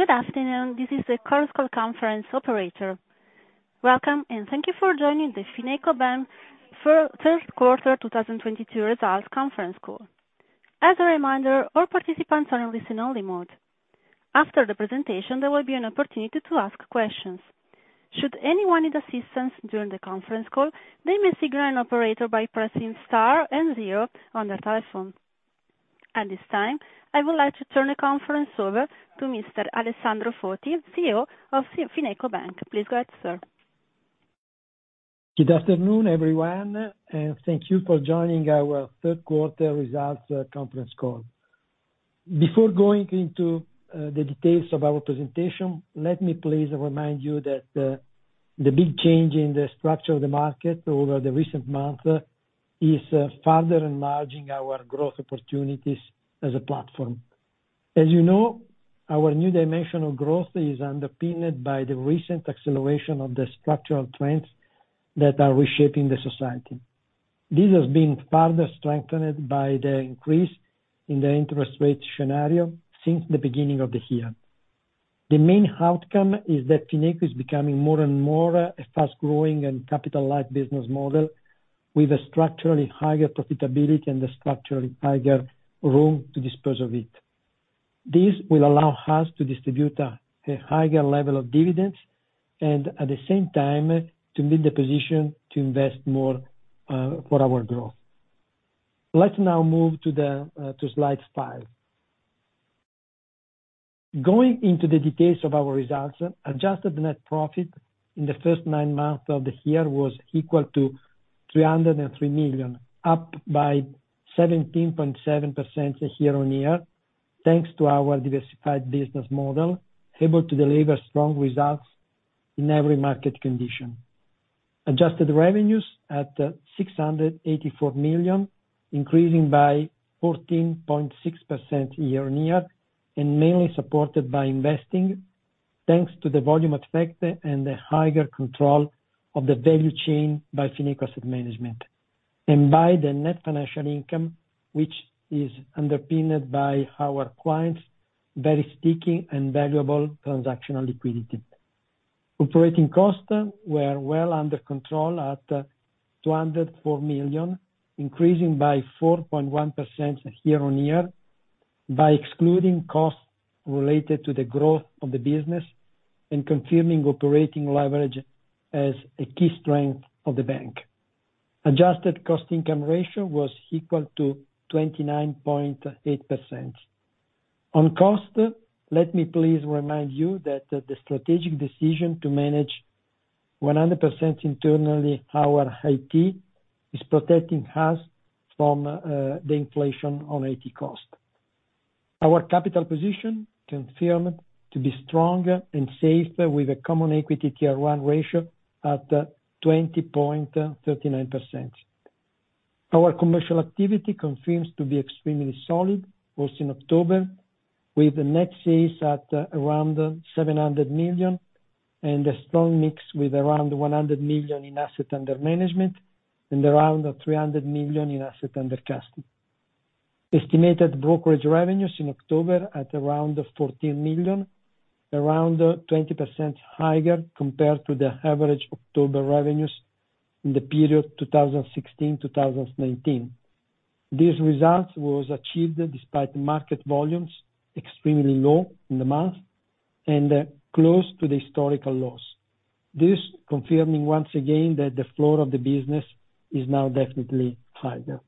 Good afternoon. This is the Chorus Call conference operator. Welcome, and thank you for joining the FinecoBank for Third Quarter 2022 results conference call. As a reminder, all participants are in listen-only mode. After the presentation, there will be an opportunity to ask questions. Should anyone need assistance during the conference call, they may signal an operator by pressing star and zero on their telephone. At this time, I would like to turn the conference over to Mr. Alessandro Foti, CEO of FinecoBank. Please go ahead, sir. Good afternoon, everyone, and thank you for joining our third quarter results conference call. Before going into the details of our presentation, let me please remind you that the big change in the structure of the market over the recent month is further enlarging our growth opportunities as a platform. As you know, our new dimension of growth is underpinned by the recent acceleration of the structural trends that are reshaping the society. This has been further strengthened by the increase in the interest rate scenario since the beginning of the year. The main outcome is that Fineco is becoming more and more a fast-growing and capital-light business model with a structurally higher profitability and a structurally higher room to dispose of it. This will allow us to distribute a higher level of dividends and, at the same time, to meet the position to invest more for our growth. Let's now move to slide five. Going into the details of our results, adjusted net profit in the first nine months of the year was equal to 303 million, up by 17.7% year-on-year, thanks to our diversified business model, able to deliver strong results in every market condition. Adjusted revenues at 684 million, increasing by 14.6% year-on-year, and mainly supported by investing, thanks to the volume effect and the higher control of the value chain by Fineco Asset Management, and by the net financial income, which is underpinned by our clients' very sticky and valuable transactional liquidity. Operating costs were well under control at 204 million, increasing by 4.1% year-on-year by excluding costs related to the growth of the business and confirming operating leverage as a key strength of the bank. Adjusted cost income ratio was equal to 29.8%. On cost, let me please remind you that, the strategic decision to manage 100% internally our IT is protecting us from, the inflation on IT cost. Our capital position confirmed to be strong and safe with a Common Equity Tier 1 ratio at 20.39%. Our commercial activity continues to be extremely solid, also in October, with the net sales at around 700 million and a strong mix with around 100 million in assets under management and around 300 million in assets under custody. Estimated brokerage revenues in October at around 14 million, around 20% higher compared to the average October revenues in the period 2016-2019. These results was achieved despite market volumes extremely low in the month and close to the historical lows. This confirming once again that the floor of the business is now definitely higher.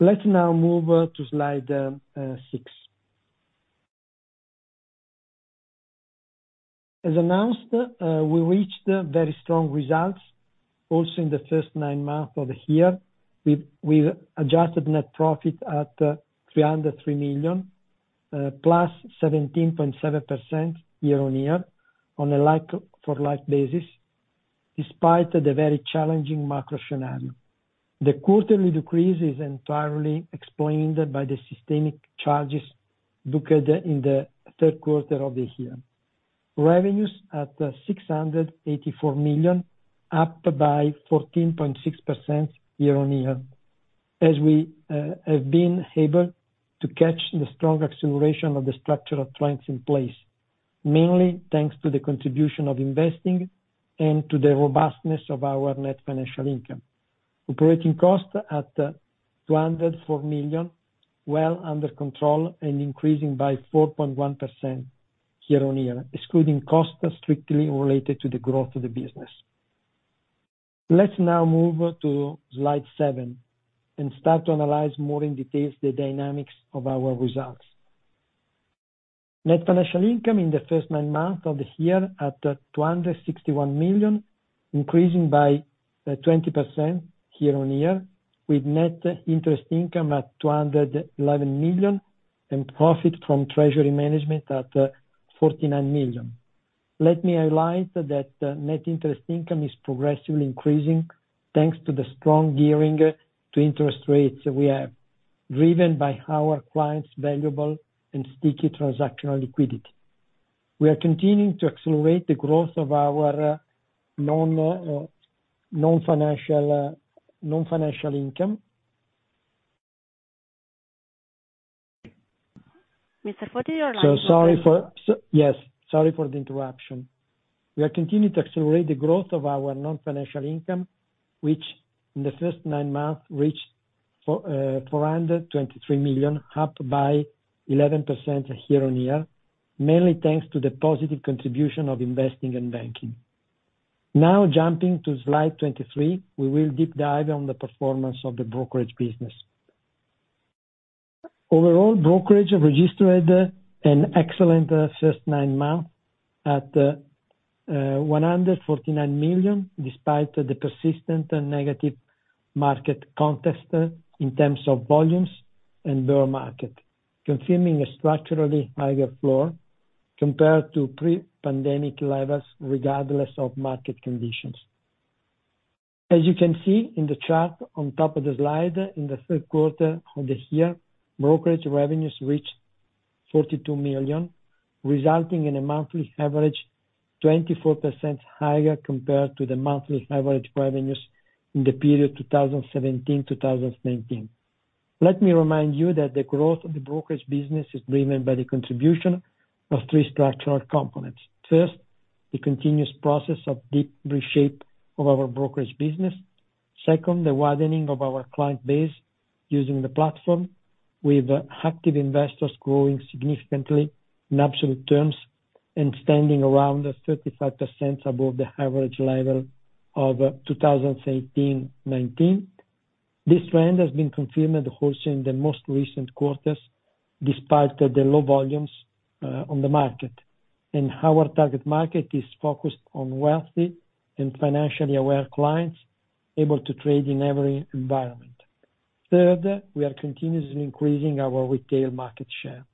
Let's now move to slide six. As announced, we reached very strong results also in the first nine months of the year with adjusted net profit at 303 million, +17.7% year-on-year on a like-for-like basis, despite the very challenging macro scenario. The quarterly decrease is entirely explained by the systemic charges booked in the third quarter of the year. Revenues at 684 million, up by 14.6% year-on-year as we have been able to catch the strong acceleration of the structural trends in place, mainly thanks to the contribution of investing and to the robustness of our net financial income. Operating costs at 204 million, well under control and increasing by 4.1% year-on-year, excluding costs strictly related to the growth of the business. Let's now move to slide seven and start to analyze more in details the dynamics of our results. Net financial income in the first nine months of the year at 261 million, increasing by 20% year-on-year, with net interest income at 211 million and profit from treasury management at 49 million. Let me highlight that, net interest income is progressively increasing, thanks to the strong gearing to interest rates we have, driven by our clients' valuable and sticky transactional liquidity. We are continuing to accelerate the growth of our non-financial income. Mr. Foti, your line is. Sorry for the interruption. We are continuing to accelerate the growth of our non-financial income, which in the first nine months reached 423 million, up by 11% year-on-year, mainly thanks to the positive contribution of investing and banking. Now jumping to slide 23, we will deep dive on the performance of the brokerage business. Overall, brokerage registered an excellent first nine months at 149 million, despite the persistent and negative market context in terms of volumes and bear market, confirming a structurally higher floor compared to pre-pandemic levels regardless of market conditions. As you can see in the chart on top of the slide, in the third quarter of the year, brokerage revenues reached 42 million, resulting in a monthly average 24% higher compared to the monthly average revenues in the period 2017-2019. Let me remind you that the growth of the brokerage business is driven by the contribution of three structural components. First, the continuous process of deep reshape of our brokerage business. Second, the widening of our client base using the platform, with active investors growing significantly in absolute terms and standing around 35% above the average level of 2018/2019. This trend has been confirmed also in the most recent quarters, despite the low volumes on the market, and our target market is focused on wealthy and financially aware clients able to trade in every environment. Third, we are continuously increasing our retail market share.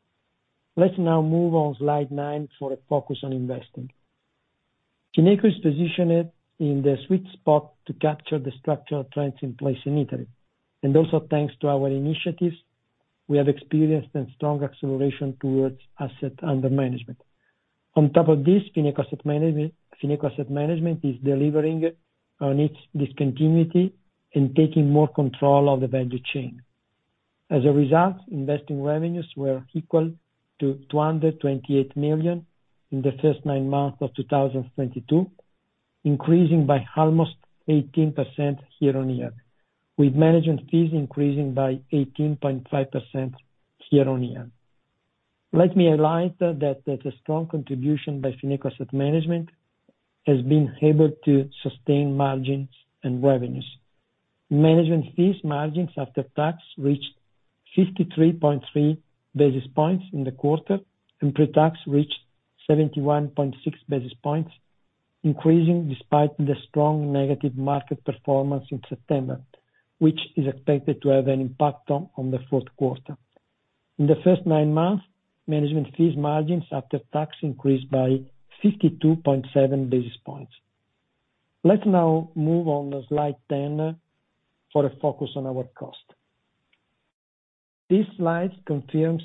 Let's now move on slide nine for a focus on investing. Fineco is positioned in the sweet spot to capture the structural trends in place in Italy, and also thanks to our initiatives, we have experienced a strong acceleration towards assets under management. On top of this, Fineco Asset Management is delivering on its discontinuity and taking more control of the value chain. As a result, investing revenues were equal to 228 million in the first nine months of 2022, increasing by almost 18% year-on-year, with management fees increasing by 18.5% year-on-year. Let me highlight that the strong contribution by Fineco Asset Management has been able to sustain margins and revenues. Management fees margins after tax reached 53.3 basis points in the quarter, and pre-tax reached 71.6 basis points, increasing despite the strong negative market performance in September, which is expected to have an impact on the fourth quarter. In the first nine months, management fees margins after tax increased by 52.7 basis points. Let's now move on to slide 10 for a focus on our cost. This slide confirms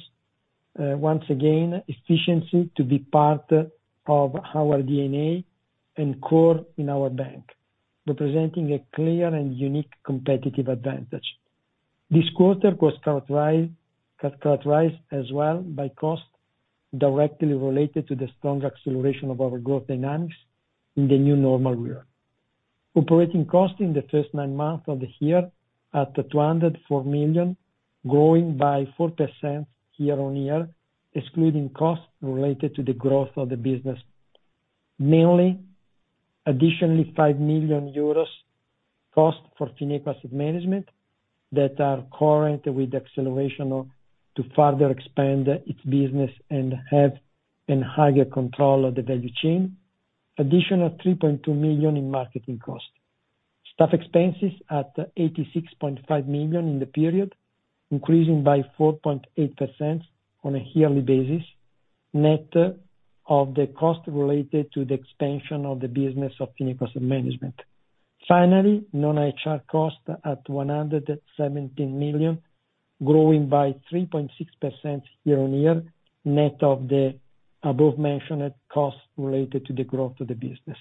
once again efficiency to be part of our DNA and core in our bank, representing a clear and unique competitive advantage. This quarter was characterized as well by cost directly related to the strong acceleration of our growth dynamics in the new normal year. Operating costs in the first nine months of the year at 204 million, growing by 4% year-on-year, excluding costs related to the growth of the business. Mainly, additionally, 5 million euros cost for Fineco Asset Management that are incurred with acceleration to further expand its business and have a higher control of the value chain. Additional 3.2 million in marketing costs. Staff expenses at 86.5 million in the period, increasing by 4.8% on a yearly basis, net of the cost related to the expansion of the business of Fineco Asset Management. Finally, non-HR costs at 117 million, growing by 3.6% year-on-year, net of the above-mentioned costs related to the growth of the business.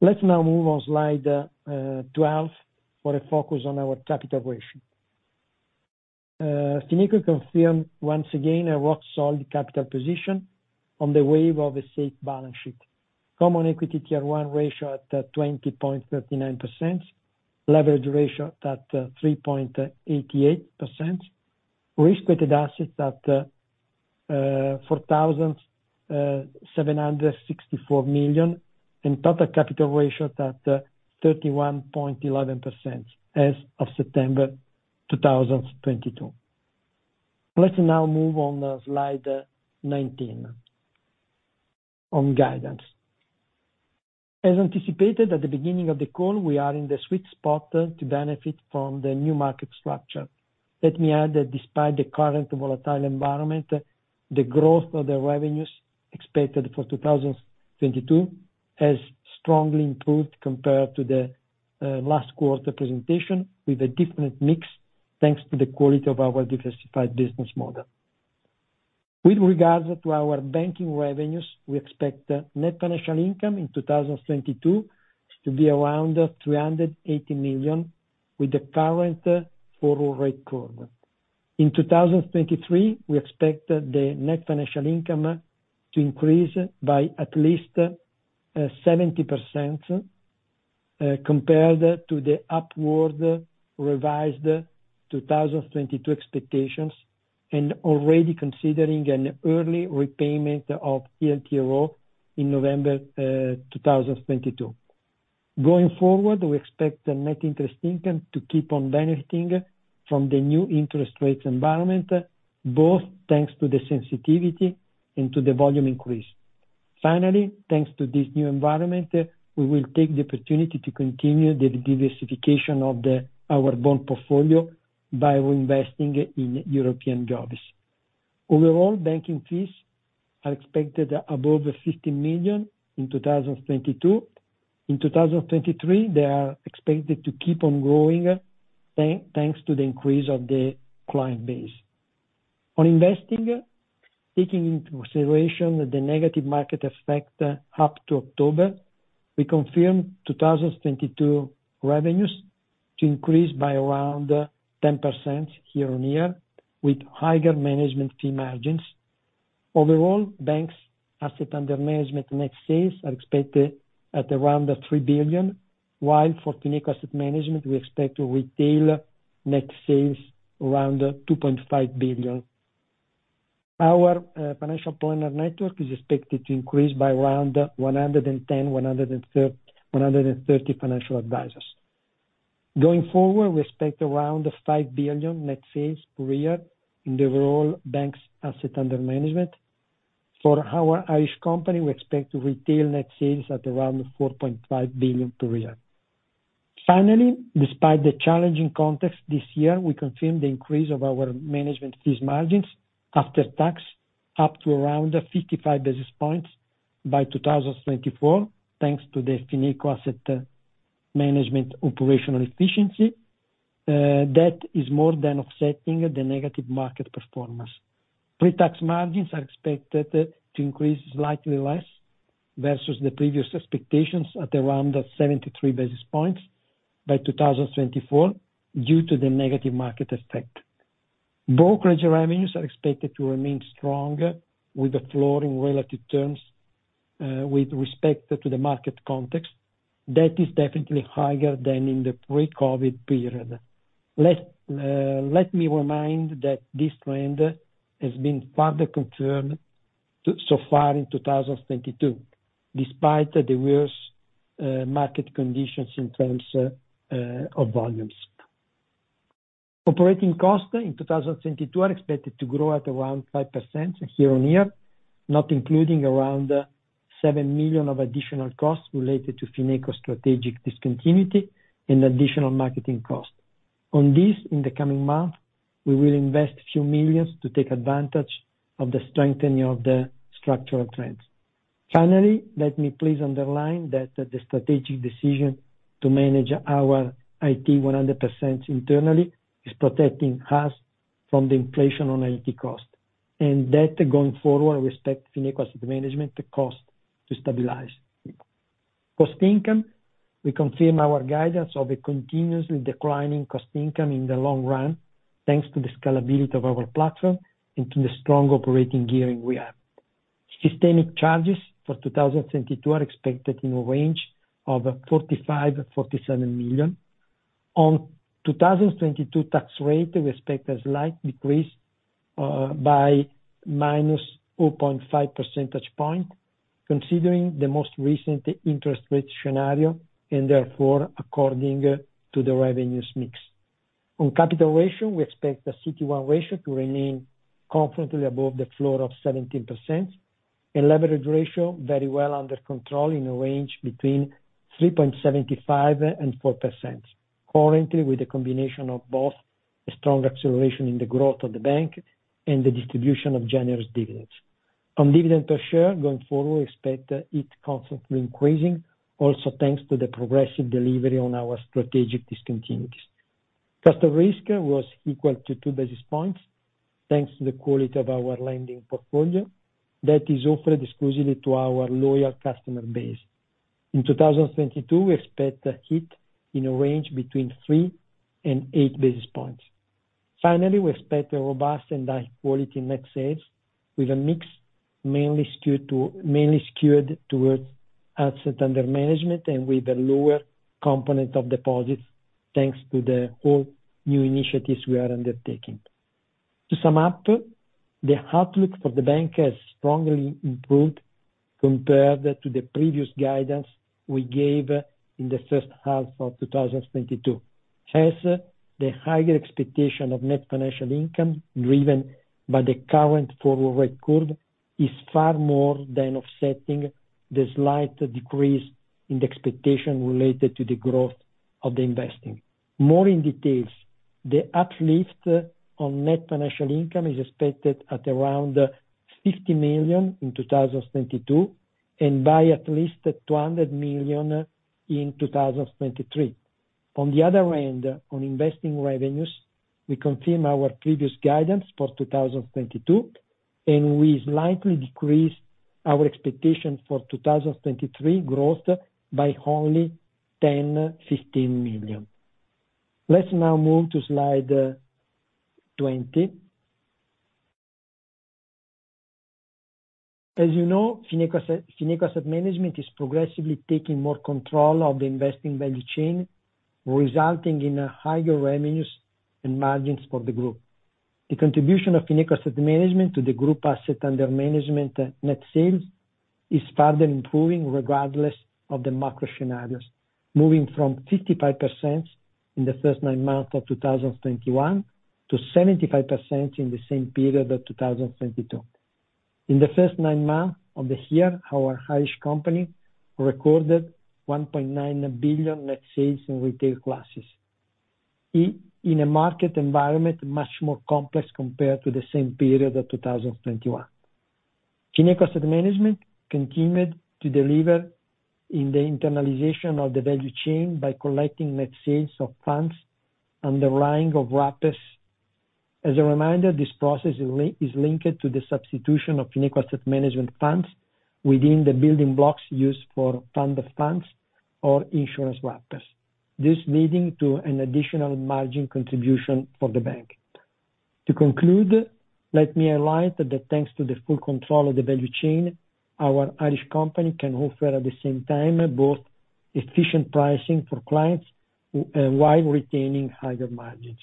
Let's now move on slide twelve for a focus on our capital ratio. FinecoBank confirms once again a rock-solid capital position on the back of a safe balance sheet. Common Equity Tier 1 ratio at 20.39%. Leverage ratio at 3.88%. Risk-weighted assets at 4,764 million. Total capital ratio at 31.11% as of September 2022. Let's now move on to slide 19, on guidance. As anticipated at the beginning of the call, we are in the sweet spot to benefit from the new market structure. Let me add that despite the current volatile environment, the growth of the revenues expected for 2022 has strongly improved compared to the last quarter presentation with a different mix, thanks to the quality of our well-diversified business model. With regards to our banking revenues, we expect net financial income in 2022 to be around 380 million with the current forward rate curve. In 2023, we expect the net financial income to increase by at least 70% compared to the upward revised 2022 expectations and already considering an early repayment of TLTRO in November 2022. Going forward, we expect the net interest income to keep on benefiting from the new interest rates environment, both thanks to the sensitivity and to the volume increase. Finally, thanks to this new environment, we will take the opportunity to continue the diversification of our bond portfolio by reinvesting in European govs. Overall, banking fees are expected above 50 million in 2022. In 2023, they are expected to keep on growing, thanks to the increase of the client base. On investing, taking into consideration the negative market effect up to October, we confirm 2022 revenues to increase by around 10% year-on-year, with higher management fee margins. Overall, bank's assets under management net sales are expected at around 3 billion, while for Fineco Asset Management, we expect retail net sales around 2.5 billion. Our financial planner network is expected to increase by around 130 financial advisors. Going forward, we expect around 5 billion net sales per year in the overall bank's assets under management. For our Irish company, we expect retail net sales at around 4.5 billion per year. Finally, despite the challenging context this year, we confirm the increase of our management fees margins after tax up to around 55 basis points by 2024, thanks to the Fineco Asset Management operational efficiency. That is more than offsetting the negative market performance. Pre-tax margins are expected to increase slightly less versus the previous expectations at around 73 basis points by 2024 due to the negative market effect. Brokerage revenues are expected to remain strong with the floor in relative terms, with respect to the market context that is definitely higher than in the pre-COVID period. Let me remind that this trend has been further confirmed thus far in 2022, despite the worse market conditions in terms of volumes. Operating costs in 2022 are expected to grow at around 5% year-on-year, not including around 7 million of additional costs related to Fineco strategic discontinuity and additional marketing costs. On this, in the coming month, we will invest a few million to take advantage of the strengthening of the structural trends. Finally, let me please underline that the strategic decision to manage our IT 100% internally is protecting us from the inflation on IT cost. That going forward, we expect Fineco Asset Management cost to stabilize. Cost income, we confirm our guidance of a continuously declining cost income in the long run, thanks to the scalability of our platform and to the strong operating gearing we have. Systemic charges for 2022 are expected in a range of 45-47 million. On 2022 tax rate, we expect a slight decrease by minus 4.5 percentage points, considering the most recent interest rate scenario and therefore according to the revenues mix. On capital ratio, we expect the CT1 ratio to remain confidently above the floor of 17% and leverage ratio very well under control in a range between 3.75% and 4%. Currently, with a combination of both a strong acceleration in the growth of the bank and the distribution of generous dividends. On dividend per share going forward, we expect it constantly increasing also thanks to the progressive delivery on our strategic initiatives. Cost of risk was equal to 2 basis points, thanks to the quality of our lending portfolio that is offered exclusively to our loyal customer base. In 2022, we expect a hit in a range between 3-8 basis points. Finally, we expect a robust and high-quality net sales with a mix mainly skewed towards assets under management and with a lower component of deposits, thanks to a host of new initiatives we are undertaking. To sum up, the outlook for the bank has strongly improved compared to the previous guidance we gave in the first half of 2022. Hence, the higher expectation of net financial income driven by the current forward rate curve is far more than offsetting the slight decrease in the expectation related to the growth of the investing. More in detail, the uplift on net financial income is expected at around 50 million in 2022 and by at least 200 million in 2023. On the other end, on investing revenues, we confirm our previous guidance for 2022, and we slightly decrease our expectation for 2023 growth by only 10 million-15 million. Let's now move to slide 20. As you know, Fineco Asset Management is progressively taking more control of the investing value chain, resulting in higher revenues and margins for the group. The contribution of Fineco Asset Management to the group assets under management net sales is further improving regardless of the macro scenarios, moving from 55% in the first nine months of 2021 to 75% in the same period of 2022. In the first nine months of the year, our Irish company recorded 1.9 billion net sales in retail classes in a market environment much more complex compared to the same period of 2021. Fineco Asset Management continued to deliver in the internalization of the value chain by collecting net sales of funds and the running of wrappers. As a reminder, this process is linked to the substitution of Fineco Asset Management funds within the building blocks used for fund of funds or insurance wrappers, this leading to an additional margin contribution for the bank. To conclude, let me highlight that thanks to the full control of the value chain, our Irish company can offer at the same time both efficient pricing for clients while retaining higher margins.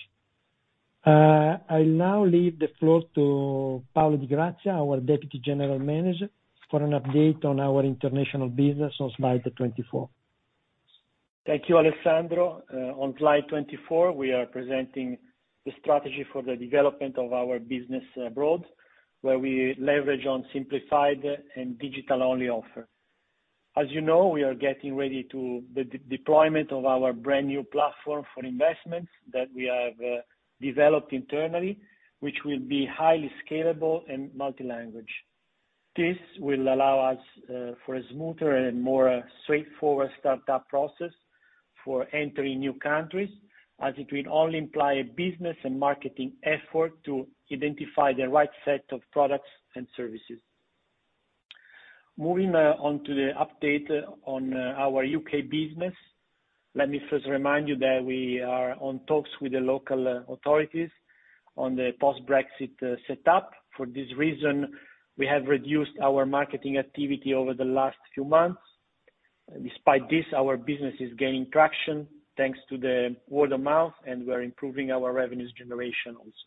I now leave the floor to Paolo Di Grazia, our Deputy General Manager, for an update on our international business on slide 24. Thank you, Alessandro. On slide 24, we are presenting the strategy for the development of our business abroad, where we leverage on simplified and digital-only offer. As you know, we are getting ready to the deployment of our brand-new platform for investments that we have developed internally, which will be highly scalable and multi-language. This will allow us for a smoother and more straightforward startup process for entering new countries, as it will only imply business and marketing effort to identify the right set of products and services. Moving onto the update on our U.K. business, let me first remind you that we are in talks with the local authorities on the post-Brexit setup. For this reason, we have reduced our marketing activity over the last few months. Despite this, our business is gaining traction thanks to the word of mouth, and we're improving our revenues generation also.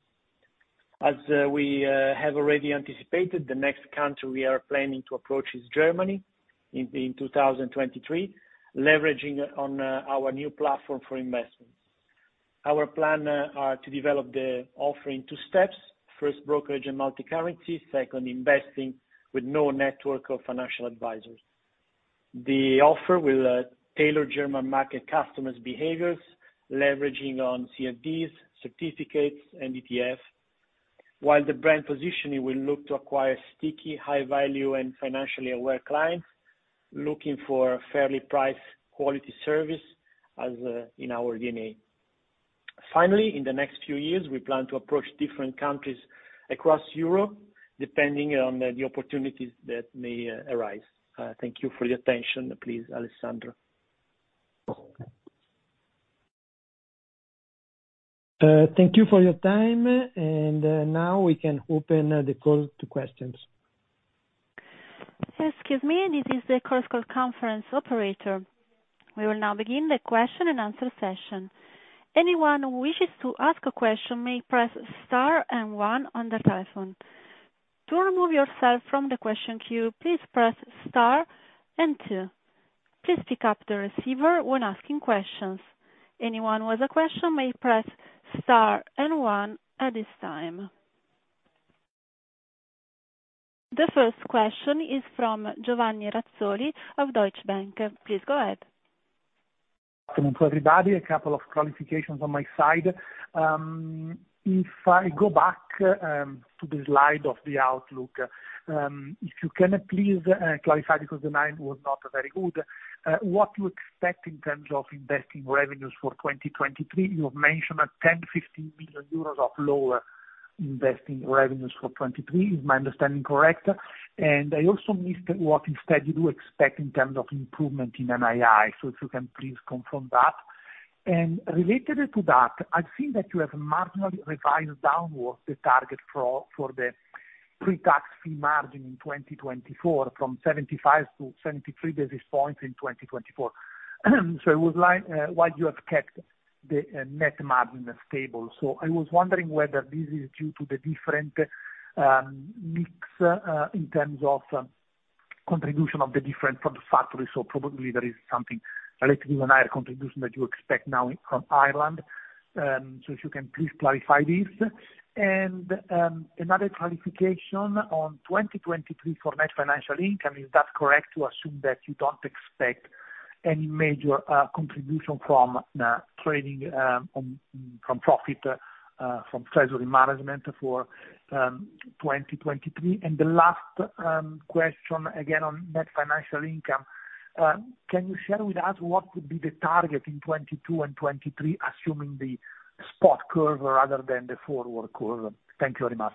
As we have already anticipated, the next country we are planning to approach is Germany in 2023, leveraging on our new platform for investments. Our plan are to develop the offering two steps. First, brokerage and multicurrency. Second, investing with no network of financial advisors. The offer will tailor German market customers' behaviors, leveraging on CFDs, certificates, and ETFs, while the brand positioning will look to acquire sticky, high value, and financially aware clients looking for a fairly priced quality service, as in our DNA. Finally, in the next few years, we plan to approach different countries across Europe, depending on the opportunities that may arise. Thank you for the attention. Please, Alessandro. Thank you for your time, and now we can open the call to questions. Excuse me. This is the Chorus Call conference operator. We will now begin the question and answer session. Anyone who wishes to ask a question may press star and one on their telephone. To remove yourself from the question queue, please press star and two. Please pick up the receiver when asking questions. Anyone with a question may press star and one at this time. The first question is from Giovanni Razzoli of Deutsche Bank. Please go ahead. Good afternoon to everybody. A couple of qualifications on my side. If I go back to the slide of the outlook, if you can please clarify, because the line was not very good, what you expect in terms of investing revenues for 2023. You have mentioned 10 billion-15 billion euros of lower investing revenues for 2023. Is my understanding correct? I also missed what instead you expect in terms of improvement in NII. If you can please confirm that. Related to that, I've seen that you have marginally revised downward the target for the pre-tax fee margin in 2024 from 75 to 73 basis points in 2024. I would like why you have kept the net margin stable. I was wondering whether this is due to the different mix in terms of contribution from the different factories. Probably there is something relating to higher contribution that you expect now from Ireland. If you can please clarify this. Another quantification on 2023 for net financial income. Is that correct to assume that you don't expect any major contribution from trading from treasury management for 2023? The last question, again, on net financial income, can you share with us what would be the target in 2022 and 2023, assuming the spot curve rather than the forward curve. Thank you very much.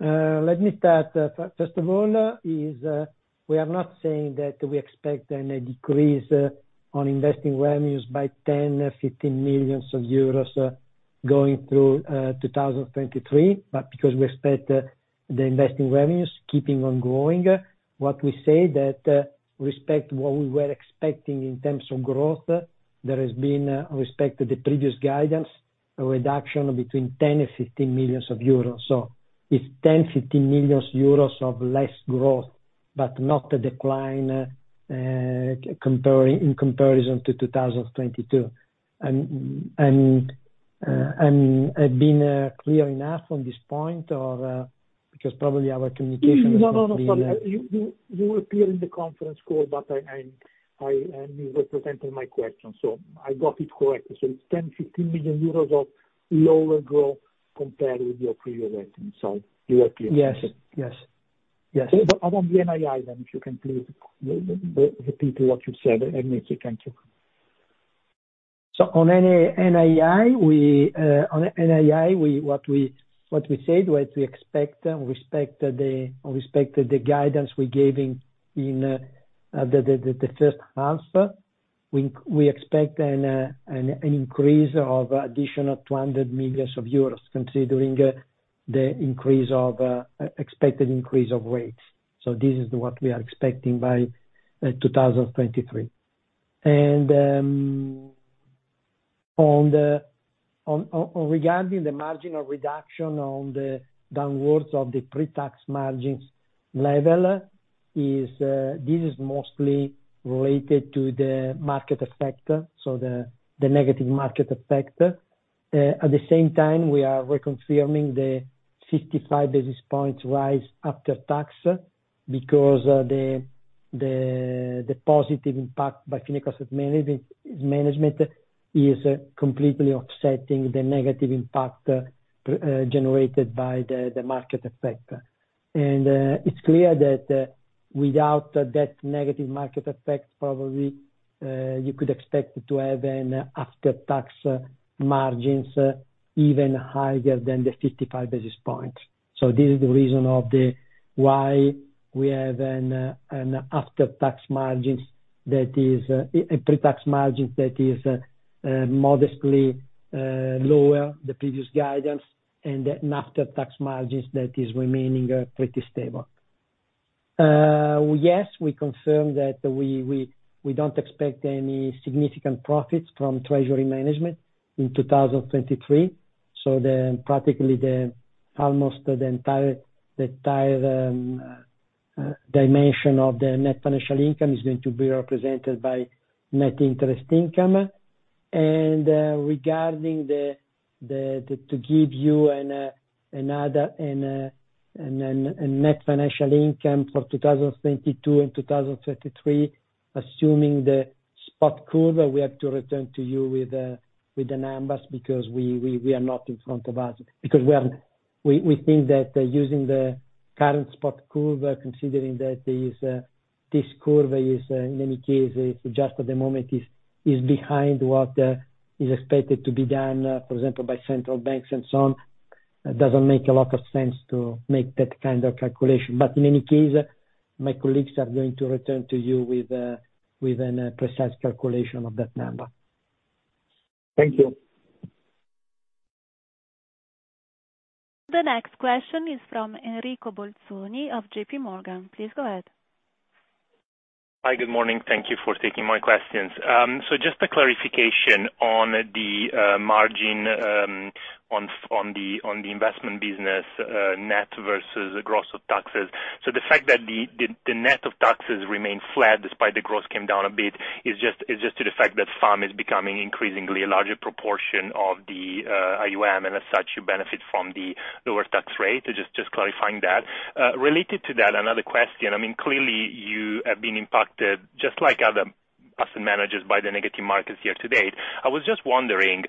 Let me start. First of all, we are not saying that we expect any decrease on investing revenues by 10-15 million euros, going through 2023, but because we expect the investing revenues keeping on growing. What we say that, with respect to what we were expecting in terms of growth, there has been, with respect to the previous guidance, a reduction between 10-15 million euros. So it's 10-15 million euros of less growth, but not a decline, comparing in comparison to 2022. I've been clear enough on this point or not, because probably our communication is not clear. No. Sorry. You were clear in the conference call, but I am representing my question, so I got it correctly. It's 10-15 million euros of lower growth compared with your previous estimate. You are clear. Yes. Yes. Yes. about the NII then, if you can please repeat what you said. If you can, too. On NII, what we said was we expect and respect the guidance we gave in the first half. We expect an increase of additional 200 million euros considering the expected increase of rates. This is what we are expecting by 2023. Regarding the marginal reduction on the downwards of the pre-tax margins level, this is mostly related to the market effect, the negative market effect. At the same time, we are reconfirming the 55 basis points rise after tax because the positive impact by Fineco Asset Management is completely offsetting the negative impact generated by the market effect. It's clear that without that negative market effect, probably you could expect to have an after-tax margin even higher than the 55 basis points. This is the reason why we have an after-tax margin that is a pre-tax margin that is modestly lower than the previous guidance and an after-tax margin that is remaining pretty stable. Yes, we confirm that we don't expect any significant profits from treasury management in 2023. Practically almost the entire dimension of the net financial income is going to be represented by net interest income. To give you another net financial income for 2022 and 2023, assuming the spot curve, we have to return to you with the numbers because we are not in front of us. We think that using the current spot curve, considering that this curve is, in any case, just for the moment, is behind what is expected to be done, for example, by central banks and so on. It doesn't make a lot of sense to make that kind of calculation. In any case, my colleagues are going to return to you with a precise calculation of that number. Thank you. The next question is from Enrico Bolzoni of JPMorgan. Please go ahead. Hi, good morning. Thank you for taking my questions. Just a clarification on the margin on the investment business, net versus gross of taxes. The fact that the net of taxes remained flat despite the gross came down a bit is just to the fact that FAM is becoming increasingly a larger proportion of the AUM, and as such, you benefit from the lower tax rate. Just clarifying that. Related to that, another question. I mean, clearly you have been impacted, just like other asset managers by the negative markets year to date. I was just wondering,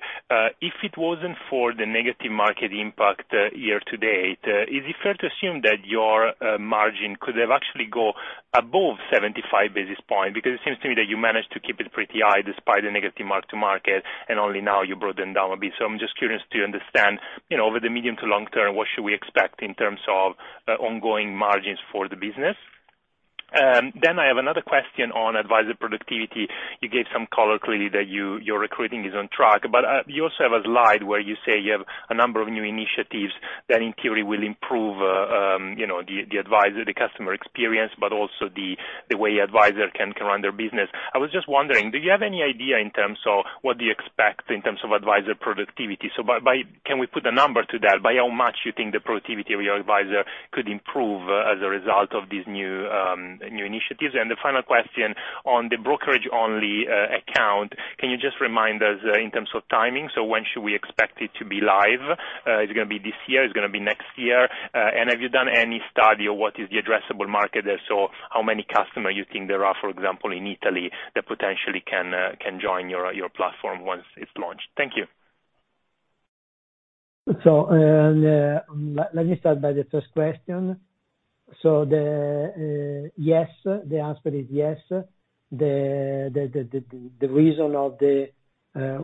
if it wasn't for the negative market impact year to date, is it fair to assume that your margin could have actually go above 75 basis point? Because it seems to me that you managed to keep it pretty high despite the negative mark to market, and only now you brought them down a bit. I'm just curious to understand, you know, over the medium to long term, what should we expect in terms of ongoing margins for the business? I have another question on advisor productivity. You gave some color clearly that you're recruiting is on track. You also have a slide where you say you have a number of new initiatives that in theory will improve, you know, the advisor, the customer experience, but also the way advisor can run their business. I was just wondering, do you have any idea in terms of what do you expect in terms of advisor productivity? Can we put a number to that? By how much you think the productivity of your advisor could improve, as a result of these new initiatives? The final question on the brokerage-only account, can you just remind us, in terms of timing, so when should we expect it to be live? Is it gonna be this year? Is it gonna be next year? Have you done any study on what is the addressable market, so how many customer you think there are, for example, in Italy that potentially can join your platform once it's launched? Thank you. Let me start by the first question. Yes, the answer is yes. The reason of the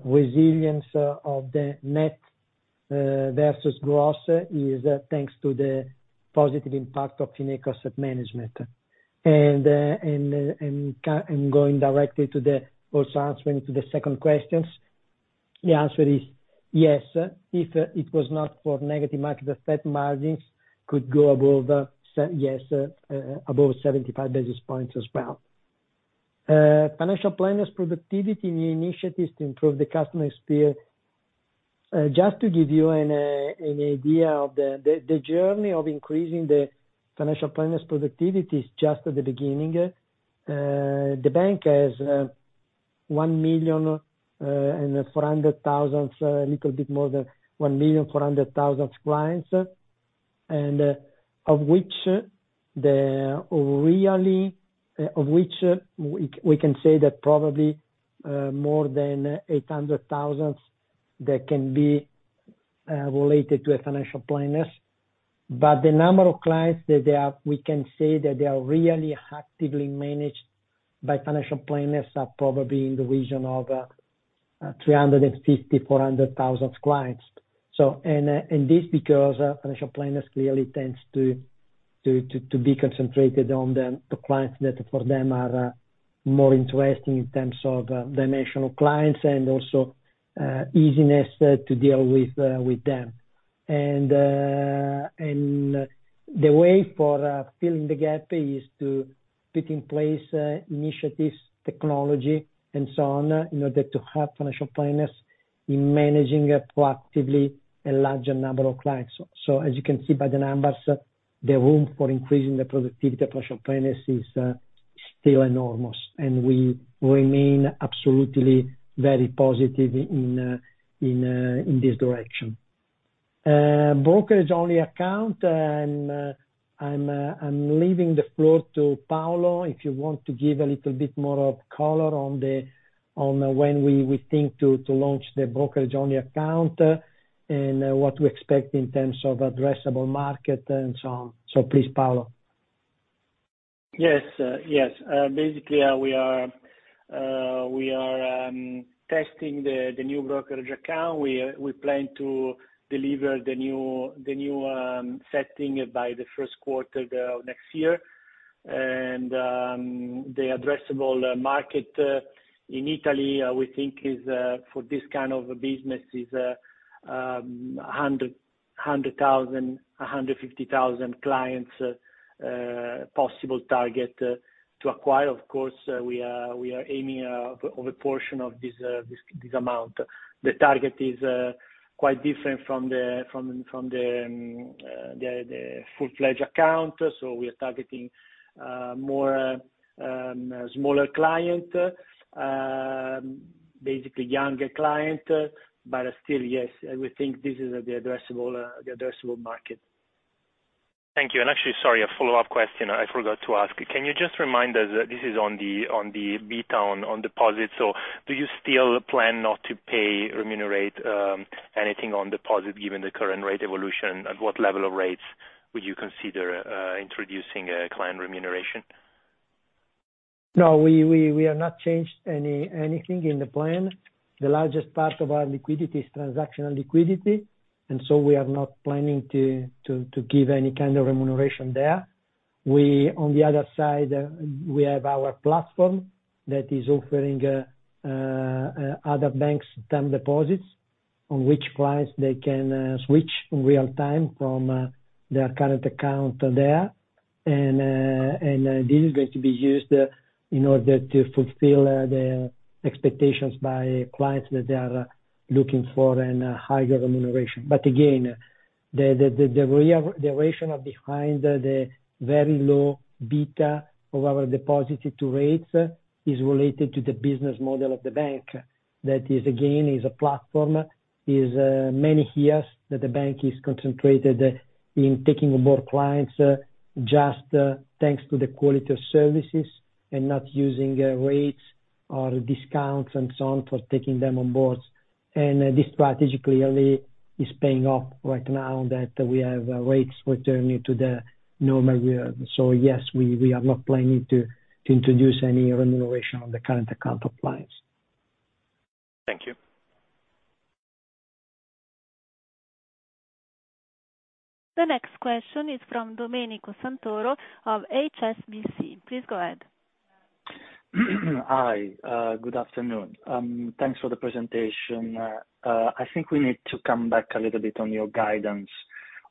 resilience of the net versus gross is thanks to the positive impact of our asset management. Going directly to the, also answering to the second questions, the answer is yes. If it was not for negative margins, the net margins could go above 75 basis points as well. Financial planners productivity new initiatives to improve the customer experience. Just to give you an idea of the journey of increasing the financial planners productivity is just at the beginning. The bank has a little bit more than 1.4 million clients, of which we can say that probably more than 800,000 that can be related to financial planners. The number of clients we can say that they are really actively managed by financial planners are probably in the region of 350,000-400,000 clients, and this because financial planners clearly tends to be concentrated on the clients that for them are more interesting in terms of dimension of clients and also easiness to deal with them. The way forward for filling the gap is to put in place initiatives, technology and so on, in order to help financial planners in managing proactively a larger number of clients. As you can see by the numbers, the room for increasing the productivity of financial planners is still enormous, and we remain absolutely very positive in this direction. Brokerage-only account, I'm leaving the floor to Paolo. If you want to give a little bit more color on when we think to launch the brokerage-only account, and what we expect in terms of addressable market and so on. Please, Paolo. Yes. Yes. Basically, we are testing the new brokerage account. We plan to deliver the new setting by the first quarter of next year. The addressable market in Italy, we think is for this kind of business 100,000-150,000 clients possible target to acquire. Of course, we are aiming for a portion of this amount. The target is quite different from the full-fledged account. We are targeting more smaller clients, basically younger clients. Still, yes, we think this is the addressable market. Thank you. Actually, sorry, a follow-up question I forgot to ask. Can you just remind us, this is on the, on the beta on deposits, so do you still plan not to pay, remunerate anything on deposit given the current rate evolution? At what level of rates would you consider introducing a client remuneration? No, we have not changed anything in the plan. The largest part of our liquidity is transactional liquidity, and so we are not planning to give any kind of remuneration there. We, on the other side, we have our platform that is offering other banks term deposits on which clients they can switch in real time from their current account there. This is going to be used in order to fulfill the expectations by clients that they are looking for in a higher remuneration. Again, the reason behind the very low beta of our deposits to rates is related to the business model of the bank. That is, again, many years that the bank is concentrated in taking on board clients just thanks to the quality of services and not using rates or discounts and so on for taking them on board. This strategy clearly is paying off right now that we have rates returning to the normal year. Yes, we are not planning to introduce any remuneration on the current account of clients. Thank you. The next question is from Domenico Santoro of HSBC. Please go ahead. Hi, good afternoon. Thanks for the presentation. I think we need to come back a little bit on your guidance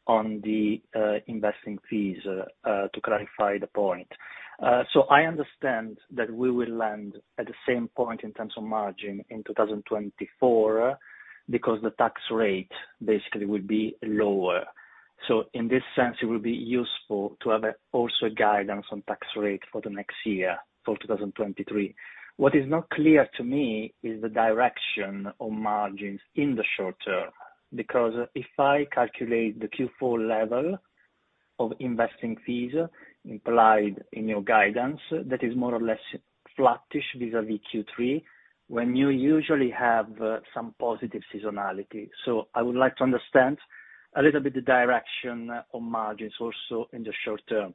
on the investing fees to clarify the point. I understand that we will land at the same point in terms of margin in 2024, because the tax rate basically will be lower. In this sense, it will be useful to have also a guidance on tax rate for the next year, for 2023. What is not clear to me is the direction of margins in the short term. Because if I calculate the Q4 level of investing fees implied in your guidance that is more or less flattish vis-à-vis Q3 when you usually have some positive seasonality. I would like to understand a little bit the direction on margins also in the short term.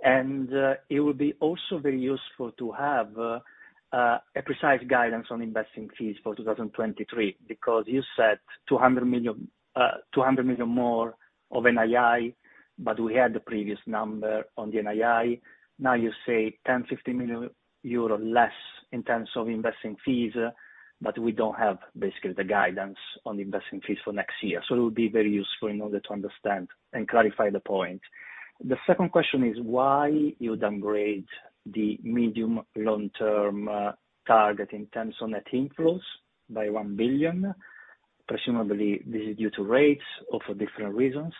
It would be also very useful to have a precise guidance on investing fees for 2023, because you said 200 million more of NII, but we had the previous number on the NII. Now you say 1,050 million euro less in terms of investing fees, but we don't have basically the guidance on investing fees for next year. It would be very useful in order to understand and clarify the point. The second question is why you'd upgrade the medium long term target in terms of net inflows by 1 billion. Presumably this is due to rates or for different reasons.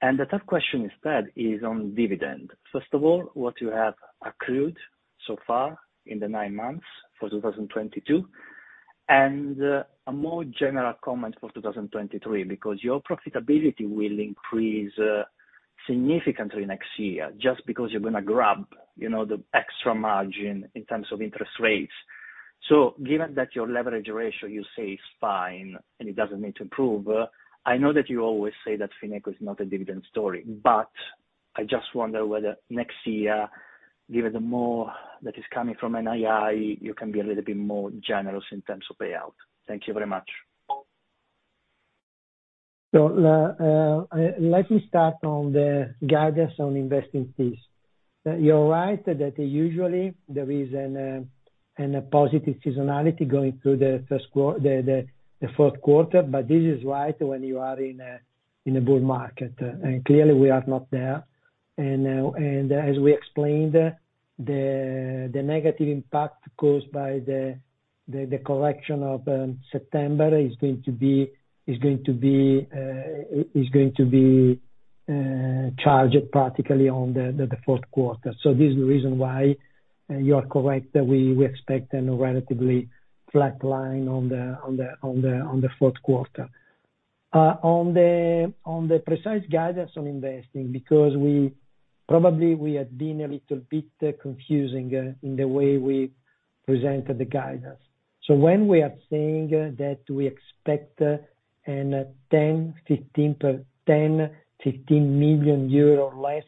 The third question is, Ted, on dividend. First of all, what you have accrued so far in the nine months for 2022. A more general comment for 2023, because your profitability will increase significantly next year just because you're gonna grab, you know, the extra margin in terms of interest rates. Given that your leverage ratio you say is fine and it doesn't need to improve, I know that you always say that Fineco is not a dividend story. I just wonder whether next year, given the more that is coming from NII, you can be a little bit more generous in terms of payout. Thank you very much. Let me start on the guidance on investing fees. You're right that usually there is a positive seasonality going through the fourth quarter, but this is right when you are in a bull market and clearly we are not there. As we explained, the negative impact caused by the correction of September is going to be charged particularly on the fourth quarter. This is the reason why you are correct that we expect a relatively flat line on the fourth quarter. On the precise guidance on investing, because we probably have been a little bit confusing in the way we presented the guidance. When we are saying that we expect a 10-15 million euro less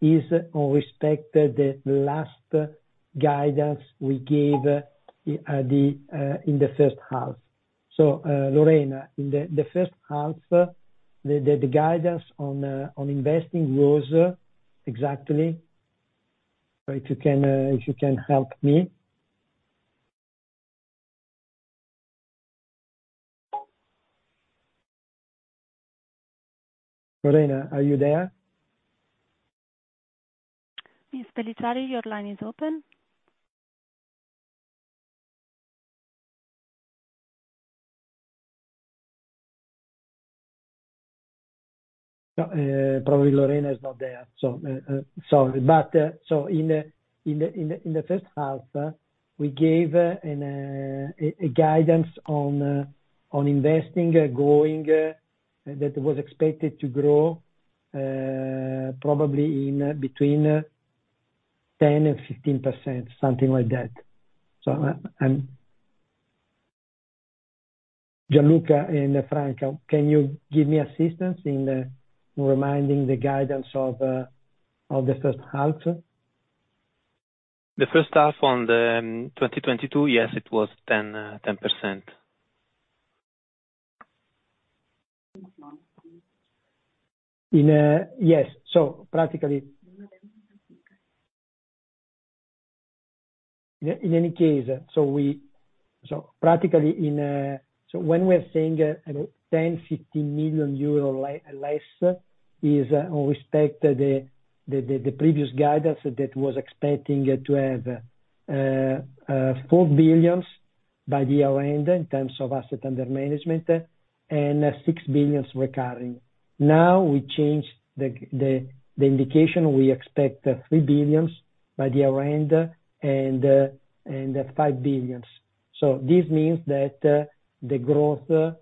in respect to the last guidance we gave in the first half. Lorena, in the first half, the guidance on investment growth exactly. If you can help me. Lorena, are you there? Ms. Pelliciari, your line is open. No, probably Lorena is not there, so, sorry. In the first half, we gave a guidance on investments growing that was expected to grow, probably between 10%-15%, something like that. Gianluca and Franco, can you give me assistance in reminding the guidance of the first half? The first half of 2022, yes, it was 10%. Practically, when we are saying 10-15 million euros less with respect to the previous guidance that was expecting to have 4 billion by the year-end in terms of assets under management, and 6 billion recurring. Now we change the indication, we expect 3 billion by the year-end and 5 billion. This means that the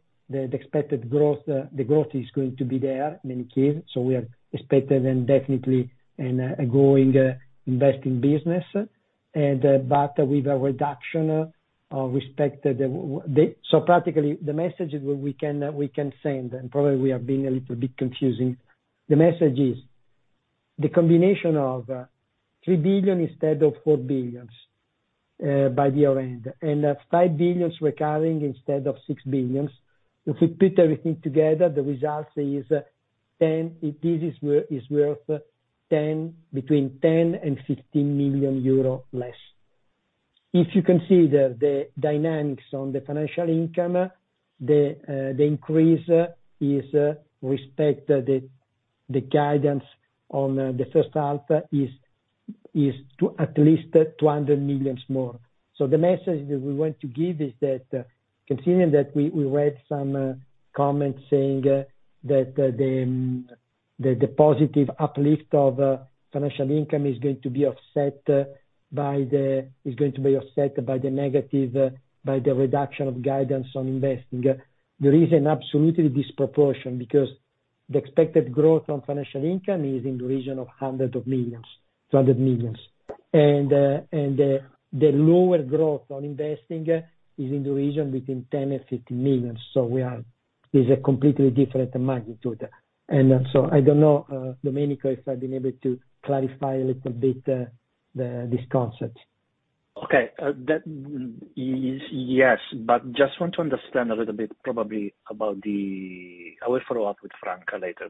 expected growth is going to be there in any case, so we are expecting and definitely a growing investing business. But with a reduction with respect to the. Practically the message we can send, and probably we have been a little bit confusing. The message is the combination of 3 billion instead of 4 billion by the year-end, and 5 billion recurring instead of 6 billion. If we put everything together, the results is 10 billion. This is worth 10 billion, between 10 million and 15 million euro less. If you consider the dynamics on the financial income, the increase is with respect to the guidance on the first half is to at least 200 million more. The message that we want to give is that, considering that we read some comments saying that the positive uplift of financial income is going to be offset by the negative, by the reduction of guidance on investing. There is an absolute disproportion, because the expected growth on financial income is in the region of EUR hundreds of millions. The lower growth on investing is in the region between 10 million and 15 million. It is a completely different magnitude. I don't know, Domenico, if I've been able to clarify a little bit this concept. Okay. I will follow up with Franca later.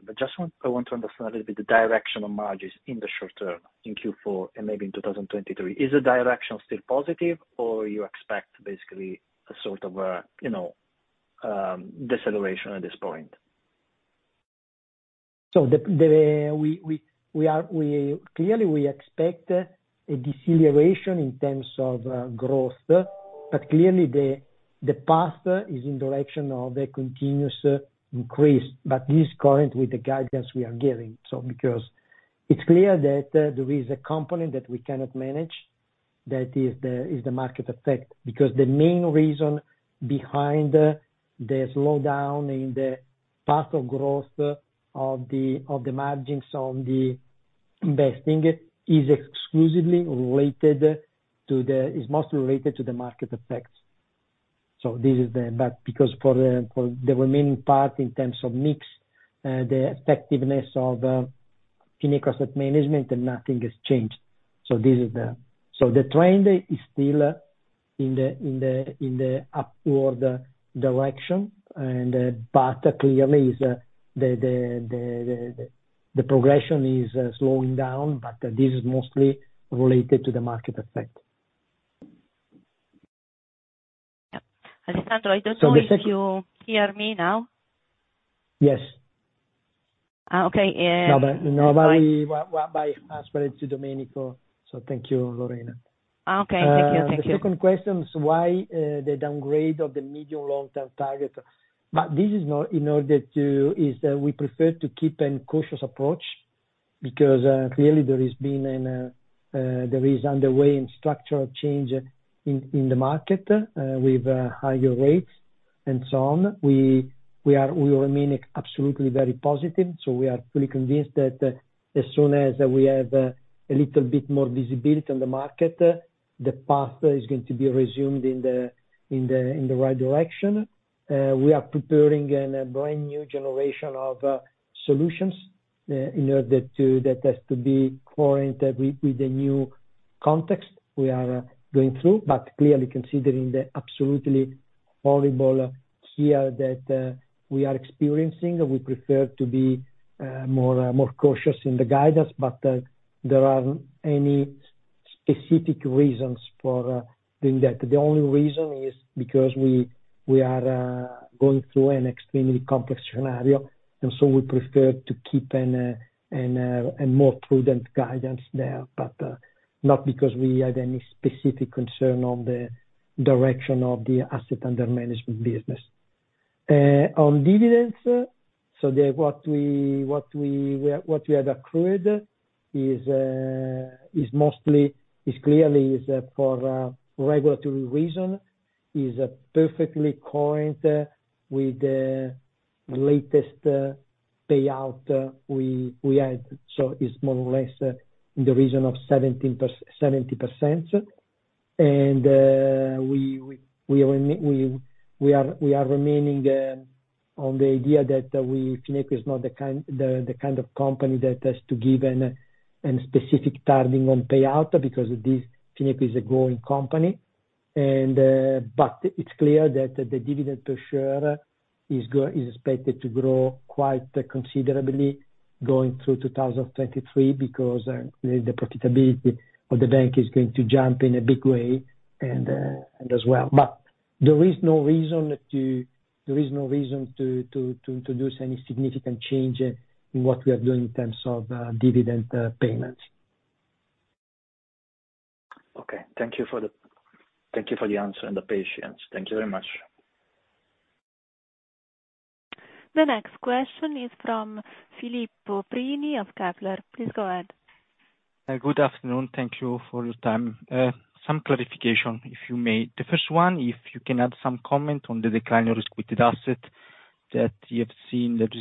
I want to understand a little bit the direction of margins in the short term, in Q3 and maybe in 2023. Is the direction still positive, or you expect basically a sort of a deceleration at this point? We expect a deceleration in terms of growth. Clearly the path is in the direction of a continuous increase, but is consistent with the guidance we are giving. Because it's clear that there is a component that we cannot manage, that is the market effect. Because the main reason behind the slowdown in the path of growth of the margins on investing is mostly related to the market effects. Because for the remaining part in terms of mix, the effectiveness of Fineco Asset Management, nothing has changed. The trend is still in the upward direction, but clearly the progression is slowing down, but this is mostly related to the market effect. Yep. Alessandro, I don't know if you hear me now. Yes. Okay. No, but nobody, well, I asked for it to Domenico, so thank you, Lorena. Okay. Thank you, thank you. The second question is why the downgrade of the medium long-term target. We prefer to keep a cautious approach because clearly there is underway a structural change in the market with higher rates and so on. We remain absolutely very positive, so we are fully convinced that as soon as we have a little bit more visibility on the market, the path is going to be resumed in the right direction. We are preparing a brand new generation of solutions that has to be coherent with the new context we are going through. Clearly considering the absolutely horrible year that we are experiencing, we prefer to be more cautious in the guidance. There aren't any specific reasons for doing that. The only reason is because we are going through an extremely complex scenario, and so we prefer to keep a more prudent guidance there, but not because we have any specific concern on the direction of the assets under management business. On dividends, what we had accrued is mostly clearly for regulatory reason. It is perfectly current with the latest payout we had. It's more or less in the region of 70%. We are remaining on the idea that Fineco is not the kind of company that has to give a specific timing on payout because this Fineco is a growing company. It's clear that the dividend per share is expected to grow quite considerably going through 2023 because the profitability of the bank is going to jump in a big way and as well. There is no reason to introduce any significant change in what we are doing in terms of dividend payments. Okay. Thank you for the answer and the patience. Thank you very much. The next question is from Filippo Prini of Kepler. Please go ahead. Good afternoon. Thank you for your time. Some clarification, if you may. The first one, if you can add some comment on the decline of risk-weighted assets that you've seen at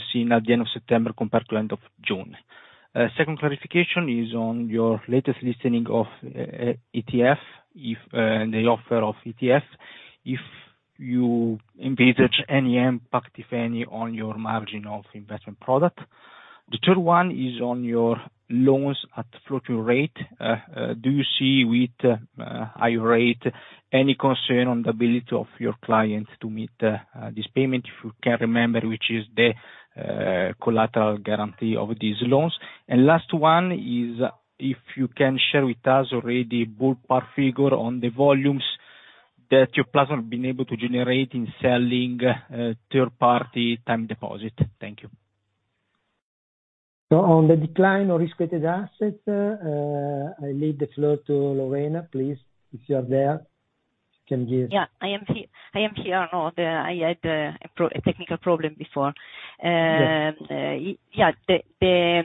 the end of September compared to end of June. Second clarification is on your latest listing of ETFs, if the offering of ETFs, if you envisage any impact, if any, on your margins on investment products. The third one is on your loans at floating rate. Do you see with high rates any concern on the ability of your clients to meet this payment? If you can remember which is the collateral guarantee of these loans. Last one is if you can share with us a ballpark figure on the volumes that you've been able to generate in selling third-party time deposit. Thank you. On the decline of risk-weighted assets, I leave the floor to Lorena, please, if you are there, can you- Yeah, I am here. No, the, I had a technical problem before. Yeah. The,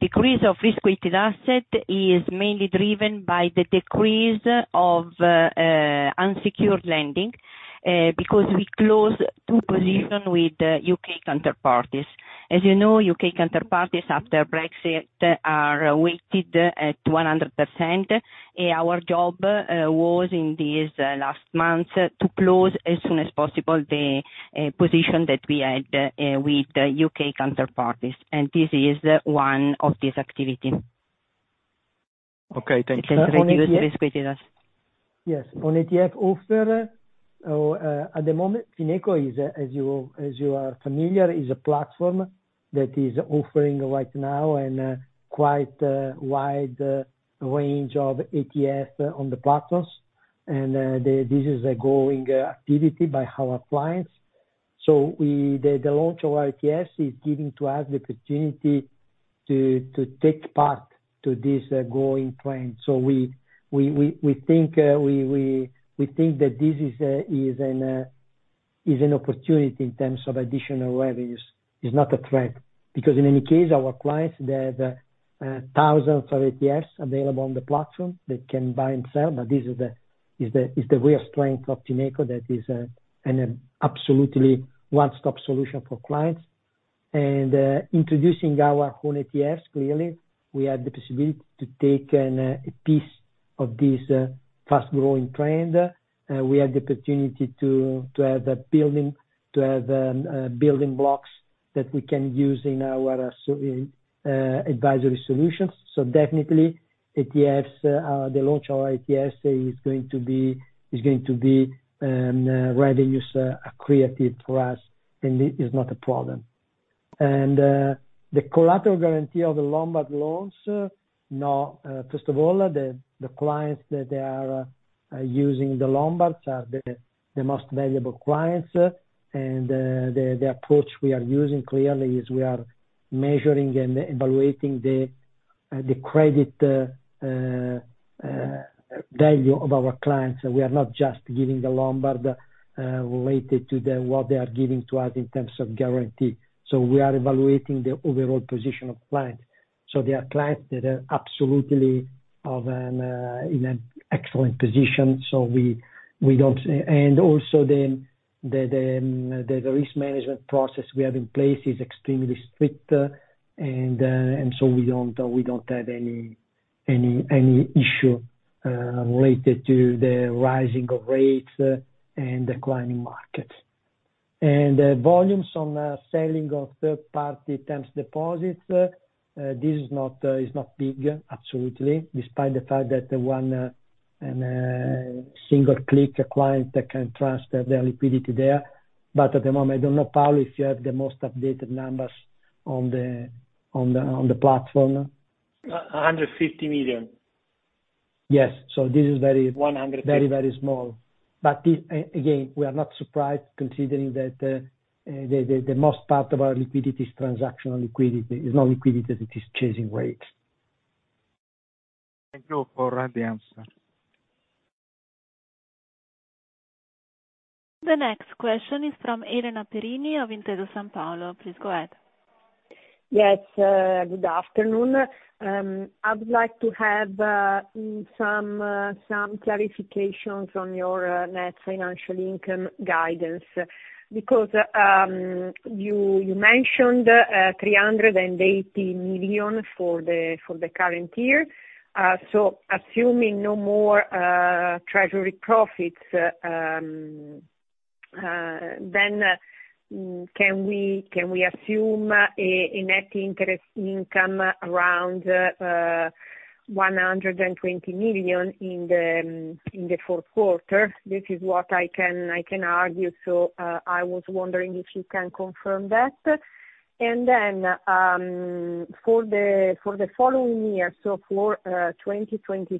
the Decrease of risk-weighted asset is mainly driven by the decrease of unsecured lending, because we closed two position with U.K. counterparties. As you know, U.K. counterparties after Brexit are weighted at 100%. Our job was in these last months to close as soon as possible the position that we had with U.K. counterparties, and this is one of these activity. Okay. Thank you. That reduce risk-weighted assets. Yes. On ETF offer, at the moment Fineco is, as you are familiar, a platform that is offering right now quite a wide range of ETFs on the platforms. This is a growing activity by our clients. The launch of ETFs is giving to us the opportunity to take part to this growing trend. We think that this is an opportunity in terms of additional revenues. It's not a threat. Because in any case, our clients have thousands of ETFs available on the platform they can buy and sell, but this is the real strength of Fineco that is absolutely one-stop solution for clients. introducing our own ETFs, clearly we had the possibility to take a piece of this fast-growing trend. We had the opportunity to have building blocks that we can use in our advisory solutions. Definitely ETFs, the launch of our ETFs is going to be revenue accretive for us, and it is not a problem. The collateral guarantee of the Lombard loans, now, first of all, the clients that they are using the Lombards are the most valuable clients. The approach we are using clearly is we are measuring and evaluating the credit value of our clients. We are not just giving the Lombard related to what they are giving to us in terms of guarantee. We are evaluating the overall position of client. There are clients that are absolutely in an excellent position, so we don't. Also, the risk management process we have in place is extremely strict. We don't have any issue related to the rising of rates and declining market. Volumes on selling of third-party term deposits, this is not big, absolutely, despite the fact that with one single click a client can transfer their liquidity there. At the moment, I don't know, Paolo, if you have the most updated numbers on the platform. 150 million. Yes. This is 150. Very, very small. This, again, we are not surprised considering that, the most part of our liquidity is transactional liquidity. It's not liquidity that is chasing rates. Thank you for the answer. The next question is from Elena Perini of Intesa Sanpaolo. Please go ahead. Yes. Good afternoon. I would like to have some clarifications on your net financial income guidance. Because you mentioned 380 million for the current year. So assuming no more treasury profits, then can we assume a net interest income around 120 million in the fourth quarter? This is what I can argue, so I was wondering if you can confirm that. Then for the following year, so for 2023,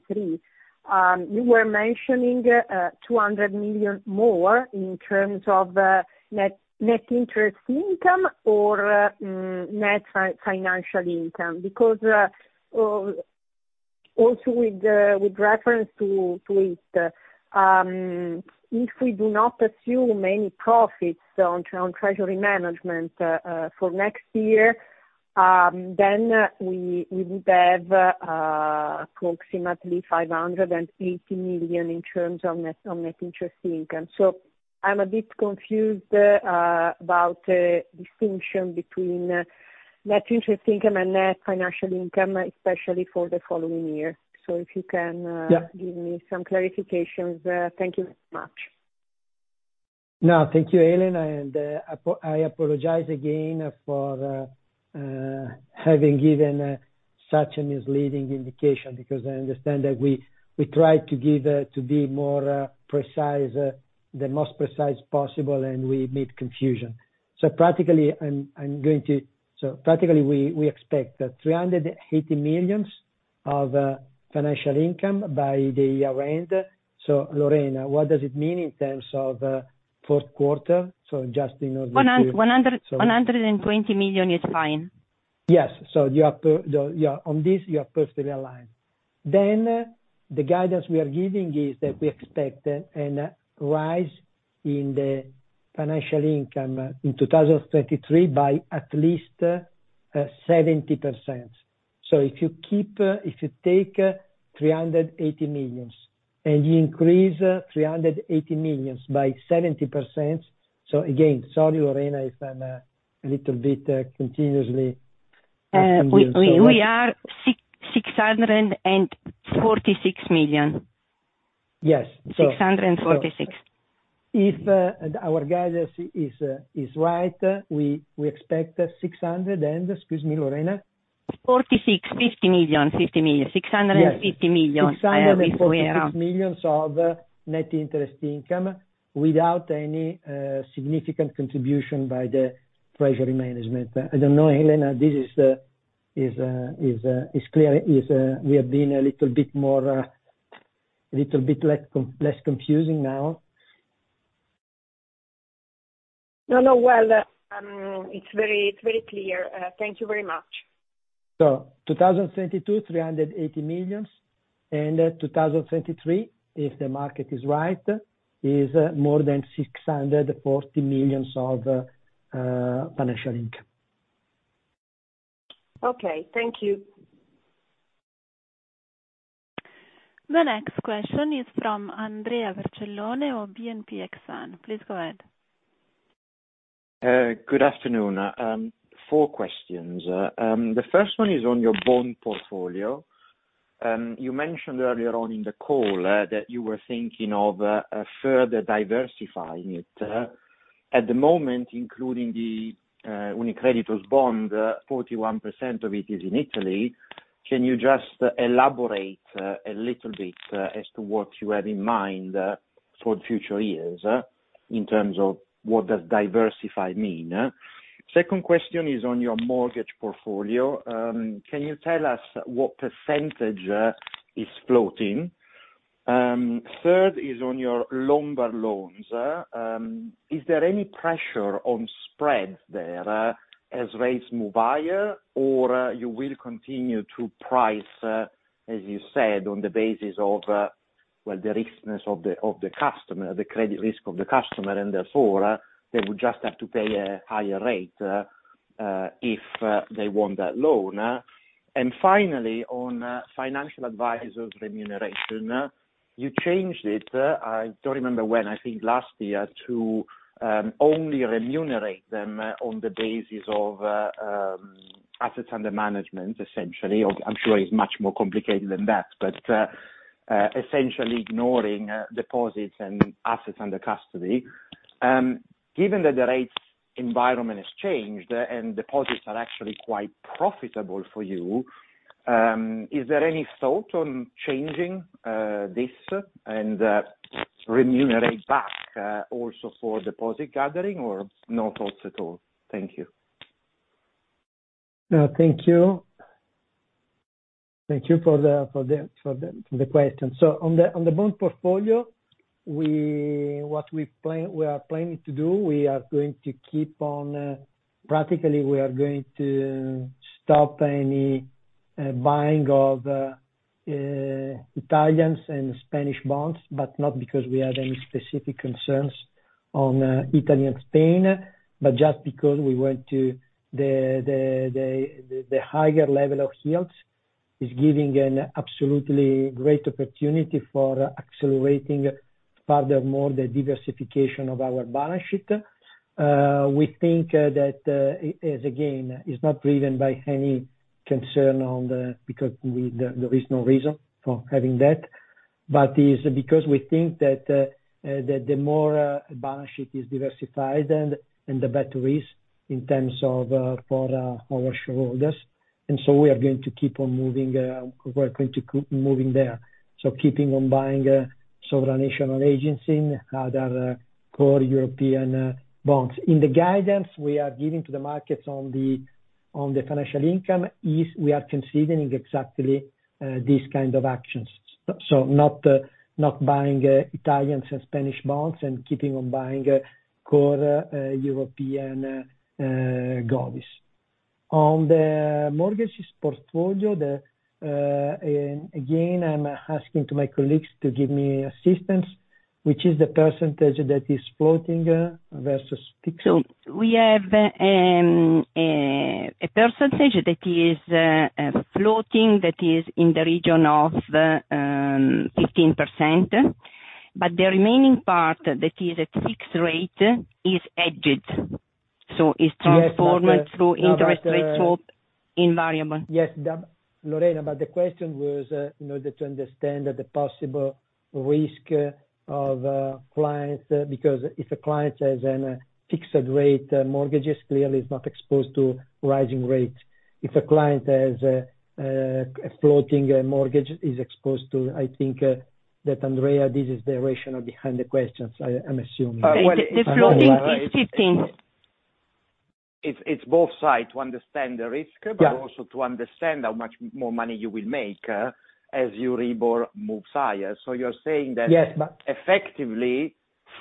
you were mentioning 200 million more in terms of net financial income. also with reference to it, if we do not assume any profits on treasury management for next year, then we would have approximately 580 million in terms of net interest income. I'm a bit confused about distinction between net interest income and net financial income, especially for the following year. If you can Yeah. Give me some clarifications, thank you very much. No, thank you, Elena. I apologize again for having given such a misleading indication, because I understand that we try to give to be more precise, the most precise possible, and we made confusion. Practically, we expect 380 million of financial income by the year end. Lorena, what does it mean in terms of fourth quarter? Just in order to- One hun- Sorry. 120 million is fine. Yes. You are, on this, you are perfectly aligned. The guidance we are giving is that we expect a rise in the financial income in 2023 by at least 70%. If you take 380 million and you increase 380 million by 70%. Again, sorry Lorena, if I'm a little bit continuously. We are 646 million. Yes. 646. If our guidance is right, we expect 600 and, excuse me, Lorena. 46, 50 million, 650 million. Yes. 646 million of net interest income without any significant contribution by the treasury management. I don't know, Elena, this is clear. We are being a little bit more little bit less confusing now. No, no. Well, it's very clear. Thank you very much. 2022, 380 million. 2023, if the market is right, is more than 640 million of financial income. Okay. Thank you. The next question is from Andrea Vercellone of Exane BNP Paribas. Please go ahead. Good afternoon. 4 questions. The first one is on your bond portfolio. You mentioned earlier on in the call that you were thinking of further diversifying it. At the moment, including the UniCredit's bond, 41% of it is in Italy. Can you just elaborate a little bit as to what you have in mind for future years in terms of what does diversify mean? Second question is on your mortgage portfolio. Can you tell us what percentage is floating? Third is on your Lombard loans. Is there any pressure on spreads there, as rates move higher or you will continue to price, as you said, on the basis of, well, the riskiness of the customer, the credit risk of the customer, and therefore they would just have to pay a higher rate, if they want that loan? Finally, on financial advisors remuneration, you changed it, I don't remember when, I think last year, to only remunerate them on the basis of assets under management, essentially. I'm sure it's much more complicated than that but essentially ignoring deposits and assets under custody. Given that the rates environment has changed and deposits are actually quite profitable for you, is there any thought on changing this and remunerate back also for deposit gathering or not thought at all? Thank you. Thank you for the question. On the bond portfolio, practically, we are going to stop any buying of Italian and Spanish bonds, but not because we have any specific concerns on Italy and Spain, but just because we want to. The higher level of yields is giving an absolutely great opportunity for accelerating furthermore the diversification of our balance sheet. We think that again is not driven by any concern because there is no reason for having that. It is because we think that the more the balance sheet is diversified and the better it is in terms, for our shareholders. We are going to keep moving there, keeping on buying sovereigns, national agencies and other core European bonds. In the guidance we are giving to the markets on the financial income, we are considering exactly these kind of actions, not buying Italian and Spanish bonds and keeping on buying core European governments. On the mortgage portfolio, and again, I'm asking my colleagues to give me assistance, which is the percentage that is floating versus fixed. We have a percentage that is floating, that is in the region of 15%, but the remaining part that is at fixed rate is hedged. It's transformed through interest rate swap into variable. Yes. Lorena, but the question was in order to understand the possible risk of clients, because if a client has a fixed-rate mortgage, clearly is not exposed to rising rates. I think that Andrea, this is the rationale behind the question, so I'm assuming. The floating is 15. It's both sides to understand the risk. Yeah. also to understand how much more money you will make, as Euribor moves higher. You're saying that- Yes, but.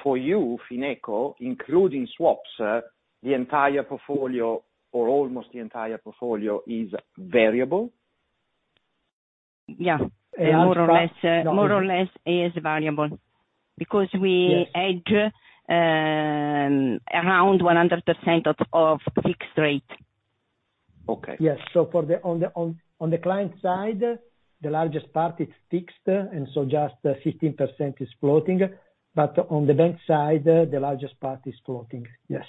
For you, Fineco, including swaps, the entire portfolio or almost the entire portfolio is variable? Yeah. More or less is variable. Yes. hedge around 100% of fixed rate. Okay. Yes. On the client side, the largest part is fixed, and just 15% is floating. On the bank side, the largest part is floating. Yes.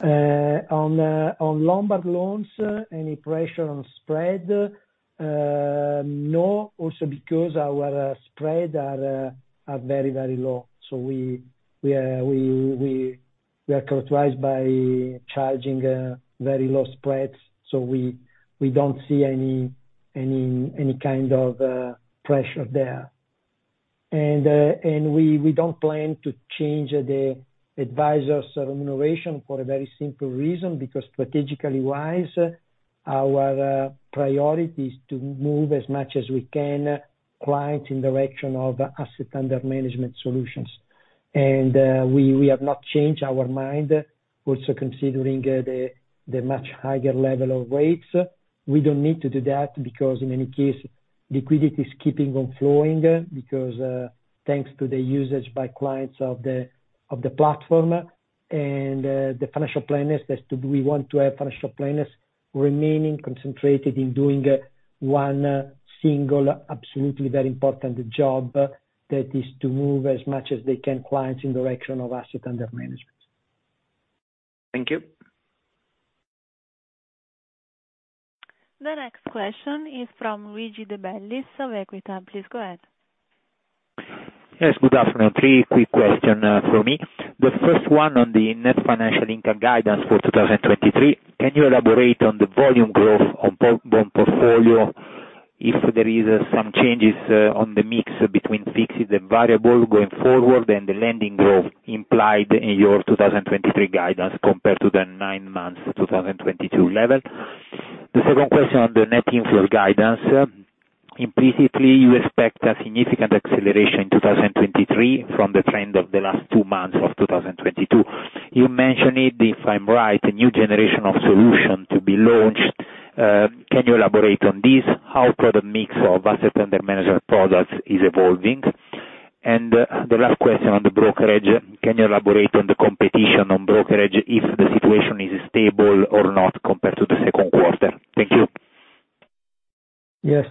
On Lombard loans, any pressure on spread? No, also because our spreads are very low. We are characterized by charging very low spreads. We don't see any kind of pressure there. We don't plan to change the advisors remuneration for a very simple reason, because strategically wise, our priority is to move as much as we can, clients in direction of assets under management solutions. We have not changed our mind. Also considering the much higher level of rates. We don't need to do that because in any case, liquidity is keeping on flowing, because thanks to the usage by clients of the platform. The financial planners, we want to have financial planners remaining concentrated in doing one single absolutely very important job, that is to move as much as they can, clients in direction of assets under management. Thank you. The next question is from Luigi de Bellis of Equita. Please go ahead. Yes, good afternoon. Three quick questions from me. The first one on the net financial income guidance for 2023. Can you elaborate on the volume growth on bond portfolio, if there is some changes on the mix between fixed and variable going forward, and the lending growth implied in your 2023 guidance compared to the nine months 2022 level. The second question on the net interest guidance. Implicitly, you expect a significant acceleration in 2023 from the trend of the last two months of 2022. You mentioned it, if I'm right, a new generation of solution to be launched. Can you elaborate on this, how product mix of assets under management products is evolving? The last question on the brokerage. Can you elaborate on the competition on brokerage, if the situation is stable or not compared to the second quarter? Thank you. Yes.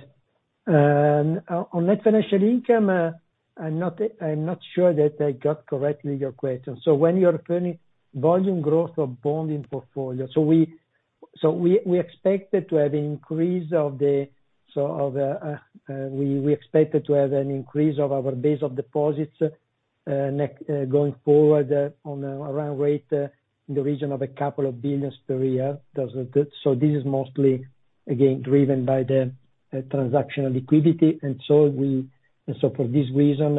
On net financial income, I'm not sure that I got correctly your question. When you're referring volume growth of bond portfolio. We expected to have an increase of our base of deposits, going forward on a run rate in the region of a couple of billions EUR per year. Does that good? This is mostly, again, driven by the transactional liquidity. For this reason,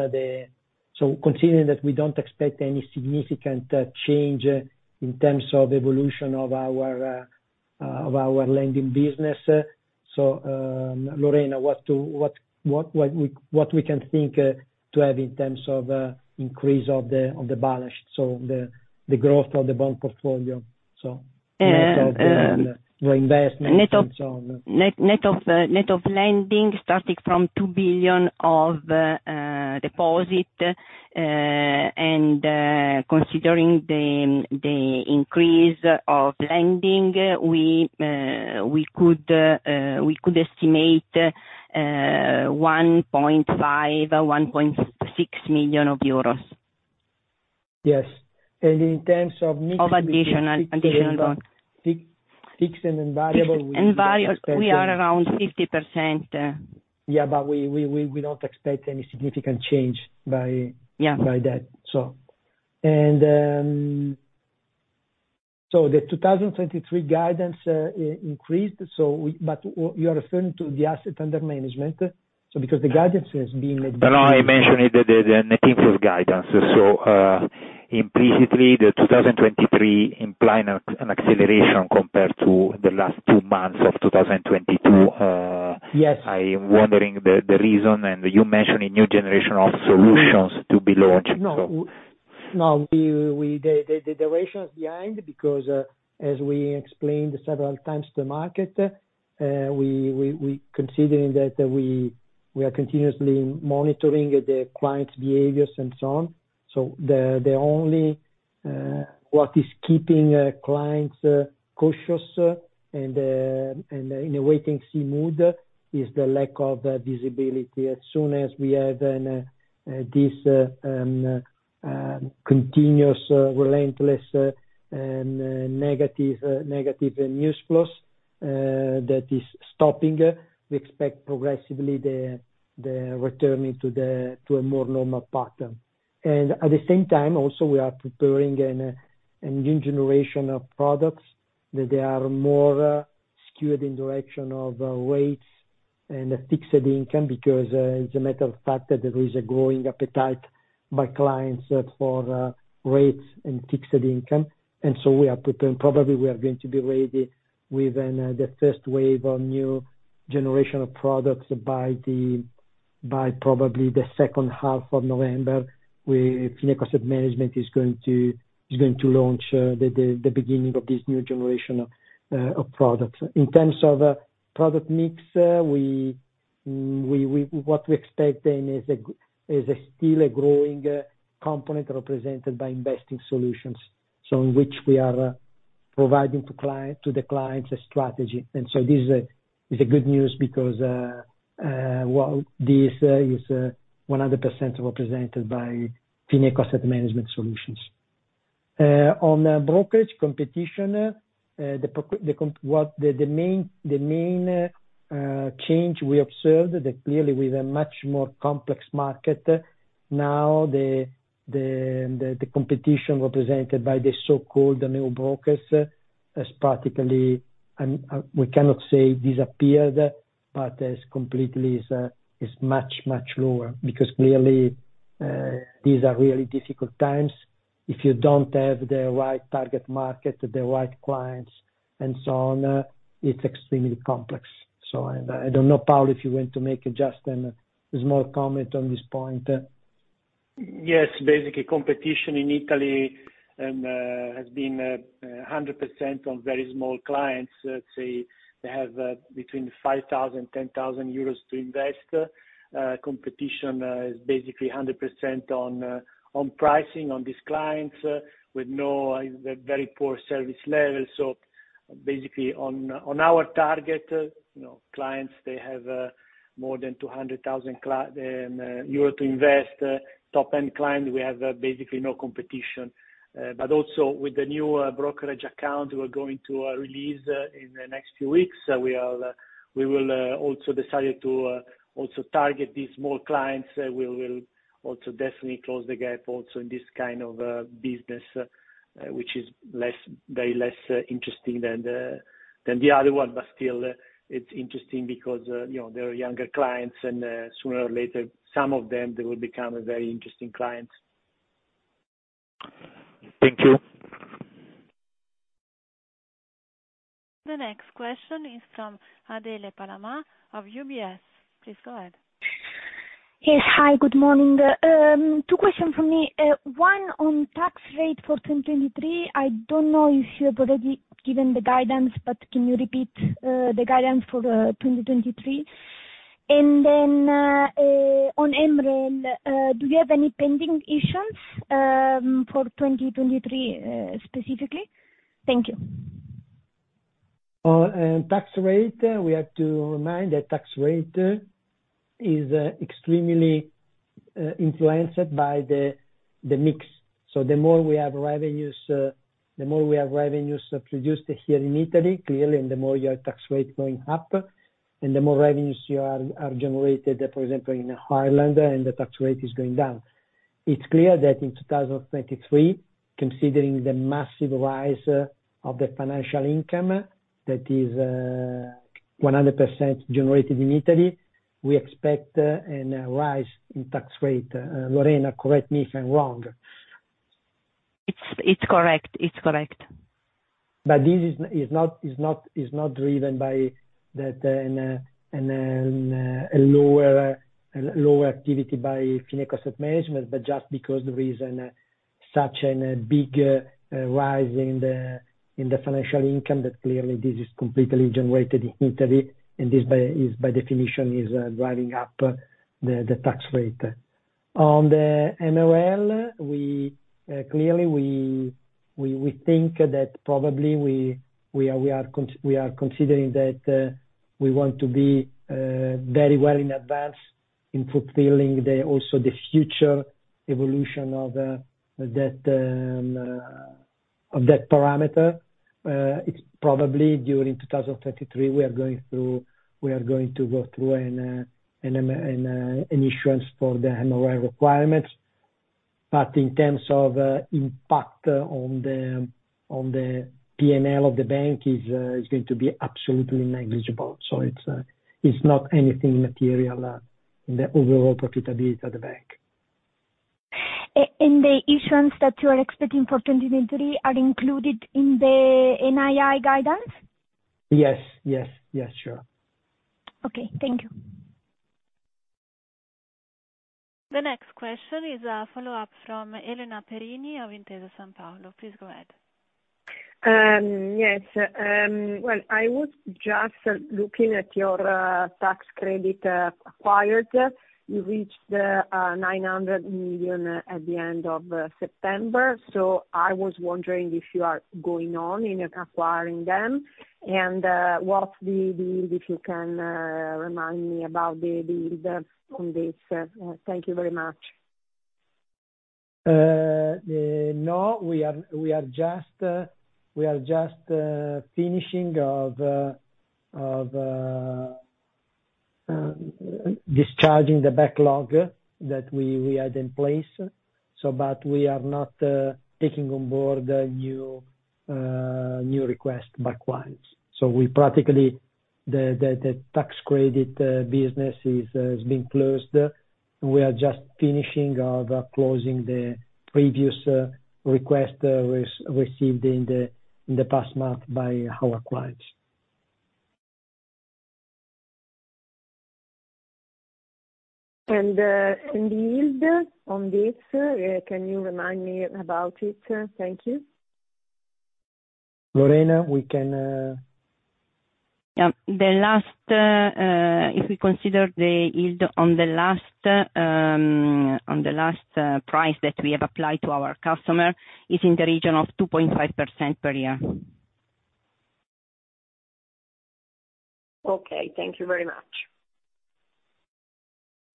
considering that we don't expect any significant change in terms of evolution of our lending business. Lorena, what we can think to have in terms of increase of the balance, so the growth of the bond portfolio. Uh, um- Reinvestment and so on. Net of lending starting from 2 billion of deposit. Considering the increase of lending, we could estimate 1.5 million euros or 1.6 million euros. Yes. In terms of mix. Of additional loans. Fixed and variable- Variable, we are around 50%. Yeah, we don't expect any significant change by- Yeah. by that. The 2023 guidance increased, but you are referring to the assets under management? Because the guidance has been- No, I mentioned it, the net interest guidance. Implicitly, the 2023 implying an acceleration compared to the last two months of 2022. Yes. I am wondering the reason, and you mentioned a new generation of solutions to be launched. No, the rationale behind, because as we explained several times to the market, we considering that we are continuously monitoring the clients' behaviors and so on. The only what is keeping clients cautious and in a wait and see mood is the lack of visibility. As soon as we have this continuous, relentless, and negative news flows that is stopping, we expect progressively the returning to a more normal pattern. At the same time also, we are preparing a new generation of products that they are more skewed in direction of rates and fixed income because as a matter of fact that there is a growing appetite by clients for rates and fixed income. We are preparing. Probably we are going to be ready with the first wave of new generation of products by probably the second half of November. Fineco Asset Management is going to launch the beginning of this new generation of products. In terms of product mix, we expect then is still a growing component represented by investing solutions, so in which we are providing to the clients a strategy. This is good news because this is 100% represented by Fineco Asset Management solutions. On the brokerage competition, the main change we observed that clearly with a much more complex market now the competition represented by the so-called new brokers is practically we cannot say disappeared, but is completely much lower. Because clearly, these are really difficult times. If you don't have the right target market, the right clients and so on, it's extremely complex. I don't know, Paolo, if you want to make a small comment on this point. Yes. Basically, competition in Italy has been 100% on very small clients. Let's say they have between 5,000, 10,000 euros to invest. Competition is basically 100% on pricing on these clients with very poor service levels. Basically on our target, you know, clients, they have more than 200,000 euro to invest. Top-end client, we have basically no competition. Also with the new brokerage account we're going to release in the next few weeks, we will also decided to also target these small clients. We will also definitely close the gap also in this kind of business which is very less interesting than the other one. Still, it's interesting because, you know, they are younger clients and, sooner or later, some of them, they will become very interesting clients. Thank you. The next question is from Adele Palama of UBS. Please go ahead. Yes, hi, good morning. Two questions from me. One on tax rate for 2023. I don't know if you have already given the guidance, but can you repeat the guidance for 2023? On MREL, do you have any pending issues for 2023 specifically? Thank you. On tax rate, we have to remind that tax rate is extremely influenced by the mix. The more we have revenues produced here in Italy, clearly, and the more your tax rate going up. The more revenues you are generated, for example, in Ireland, and the tax rate is going down. It's clear that in 2023, considering the massive rise of the financial income, that is 100% generated in Italy, we expect a rise in tax rate. Lorena, correct me if I'm wrong. It's correct. This is not driven by that, a lower activity by Fineco Asset Management, but just because there is such a big rise in the financial income that clearly this is completely generated in Italy, and this by definition is driving up the tax rate. On the MREL, we clearly think that probably we are considering that we want to be very well in advance in fulfilling also the future evolution of that parameter. It's probably during 2023, we are going to go through an issuance for the MREL requirements. In terms of impact on the PNL of the bank is going to be absolutely negligible. It's not anything material in the overall profitability of the bank. The issuance that you are expecting for 2023 are included in the NII guidance? Yes. Sure. Okay, thank you. The next question is a follow-up from Elena Perini of Intesa Sanpaolo. Please go ahead. Yes. Well, I was just looking at your tax credits acquired. You reached 900 million at the end of September. I was wondering if you are going on in acquiring them and what they are, if you can remind me about the details on this. Thank you very much. No. We are just finishing off discharging the backlog that we had in place. But we are not taking on board new request by clients. Practically, the tax credit business has been closed. We are just finishing off closing the previous request received in the past month by our clients. The yield on this, can you remind me about it? Thank you. Lorena, we can. Yeah. The last if we consider the yield on the last price that we have applied to our customer is in the region of 2.5% per year. Okay. Thank you very much.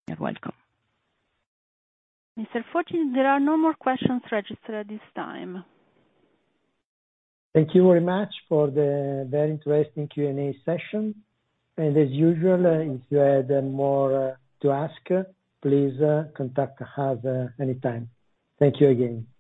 You're welcome. Mr. Foti, there are no more questions registered at this time. Thank you very much for the very interesting Q&A session. As usual, if you have more to ask, please contact us anytime. Thank you again.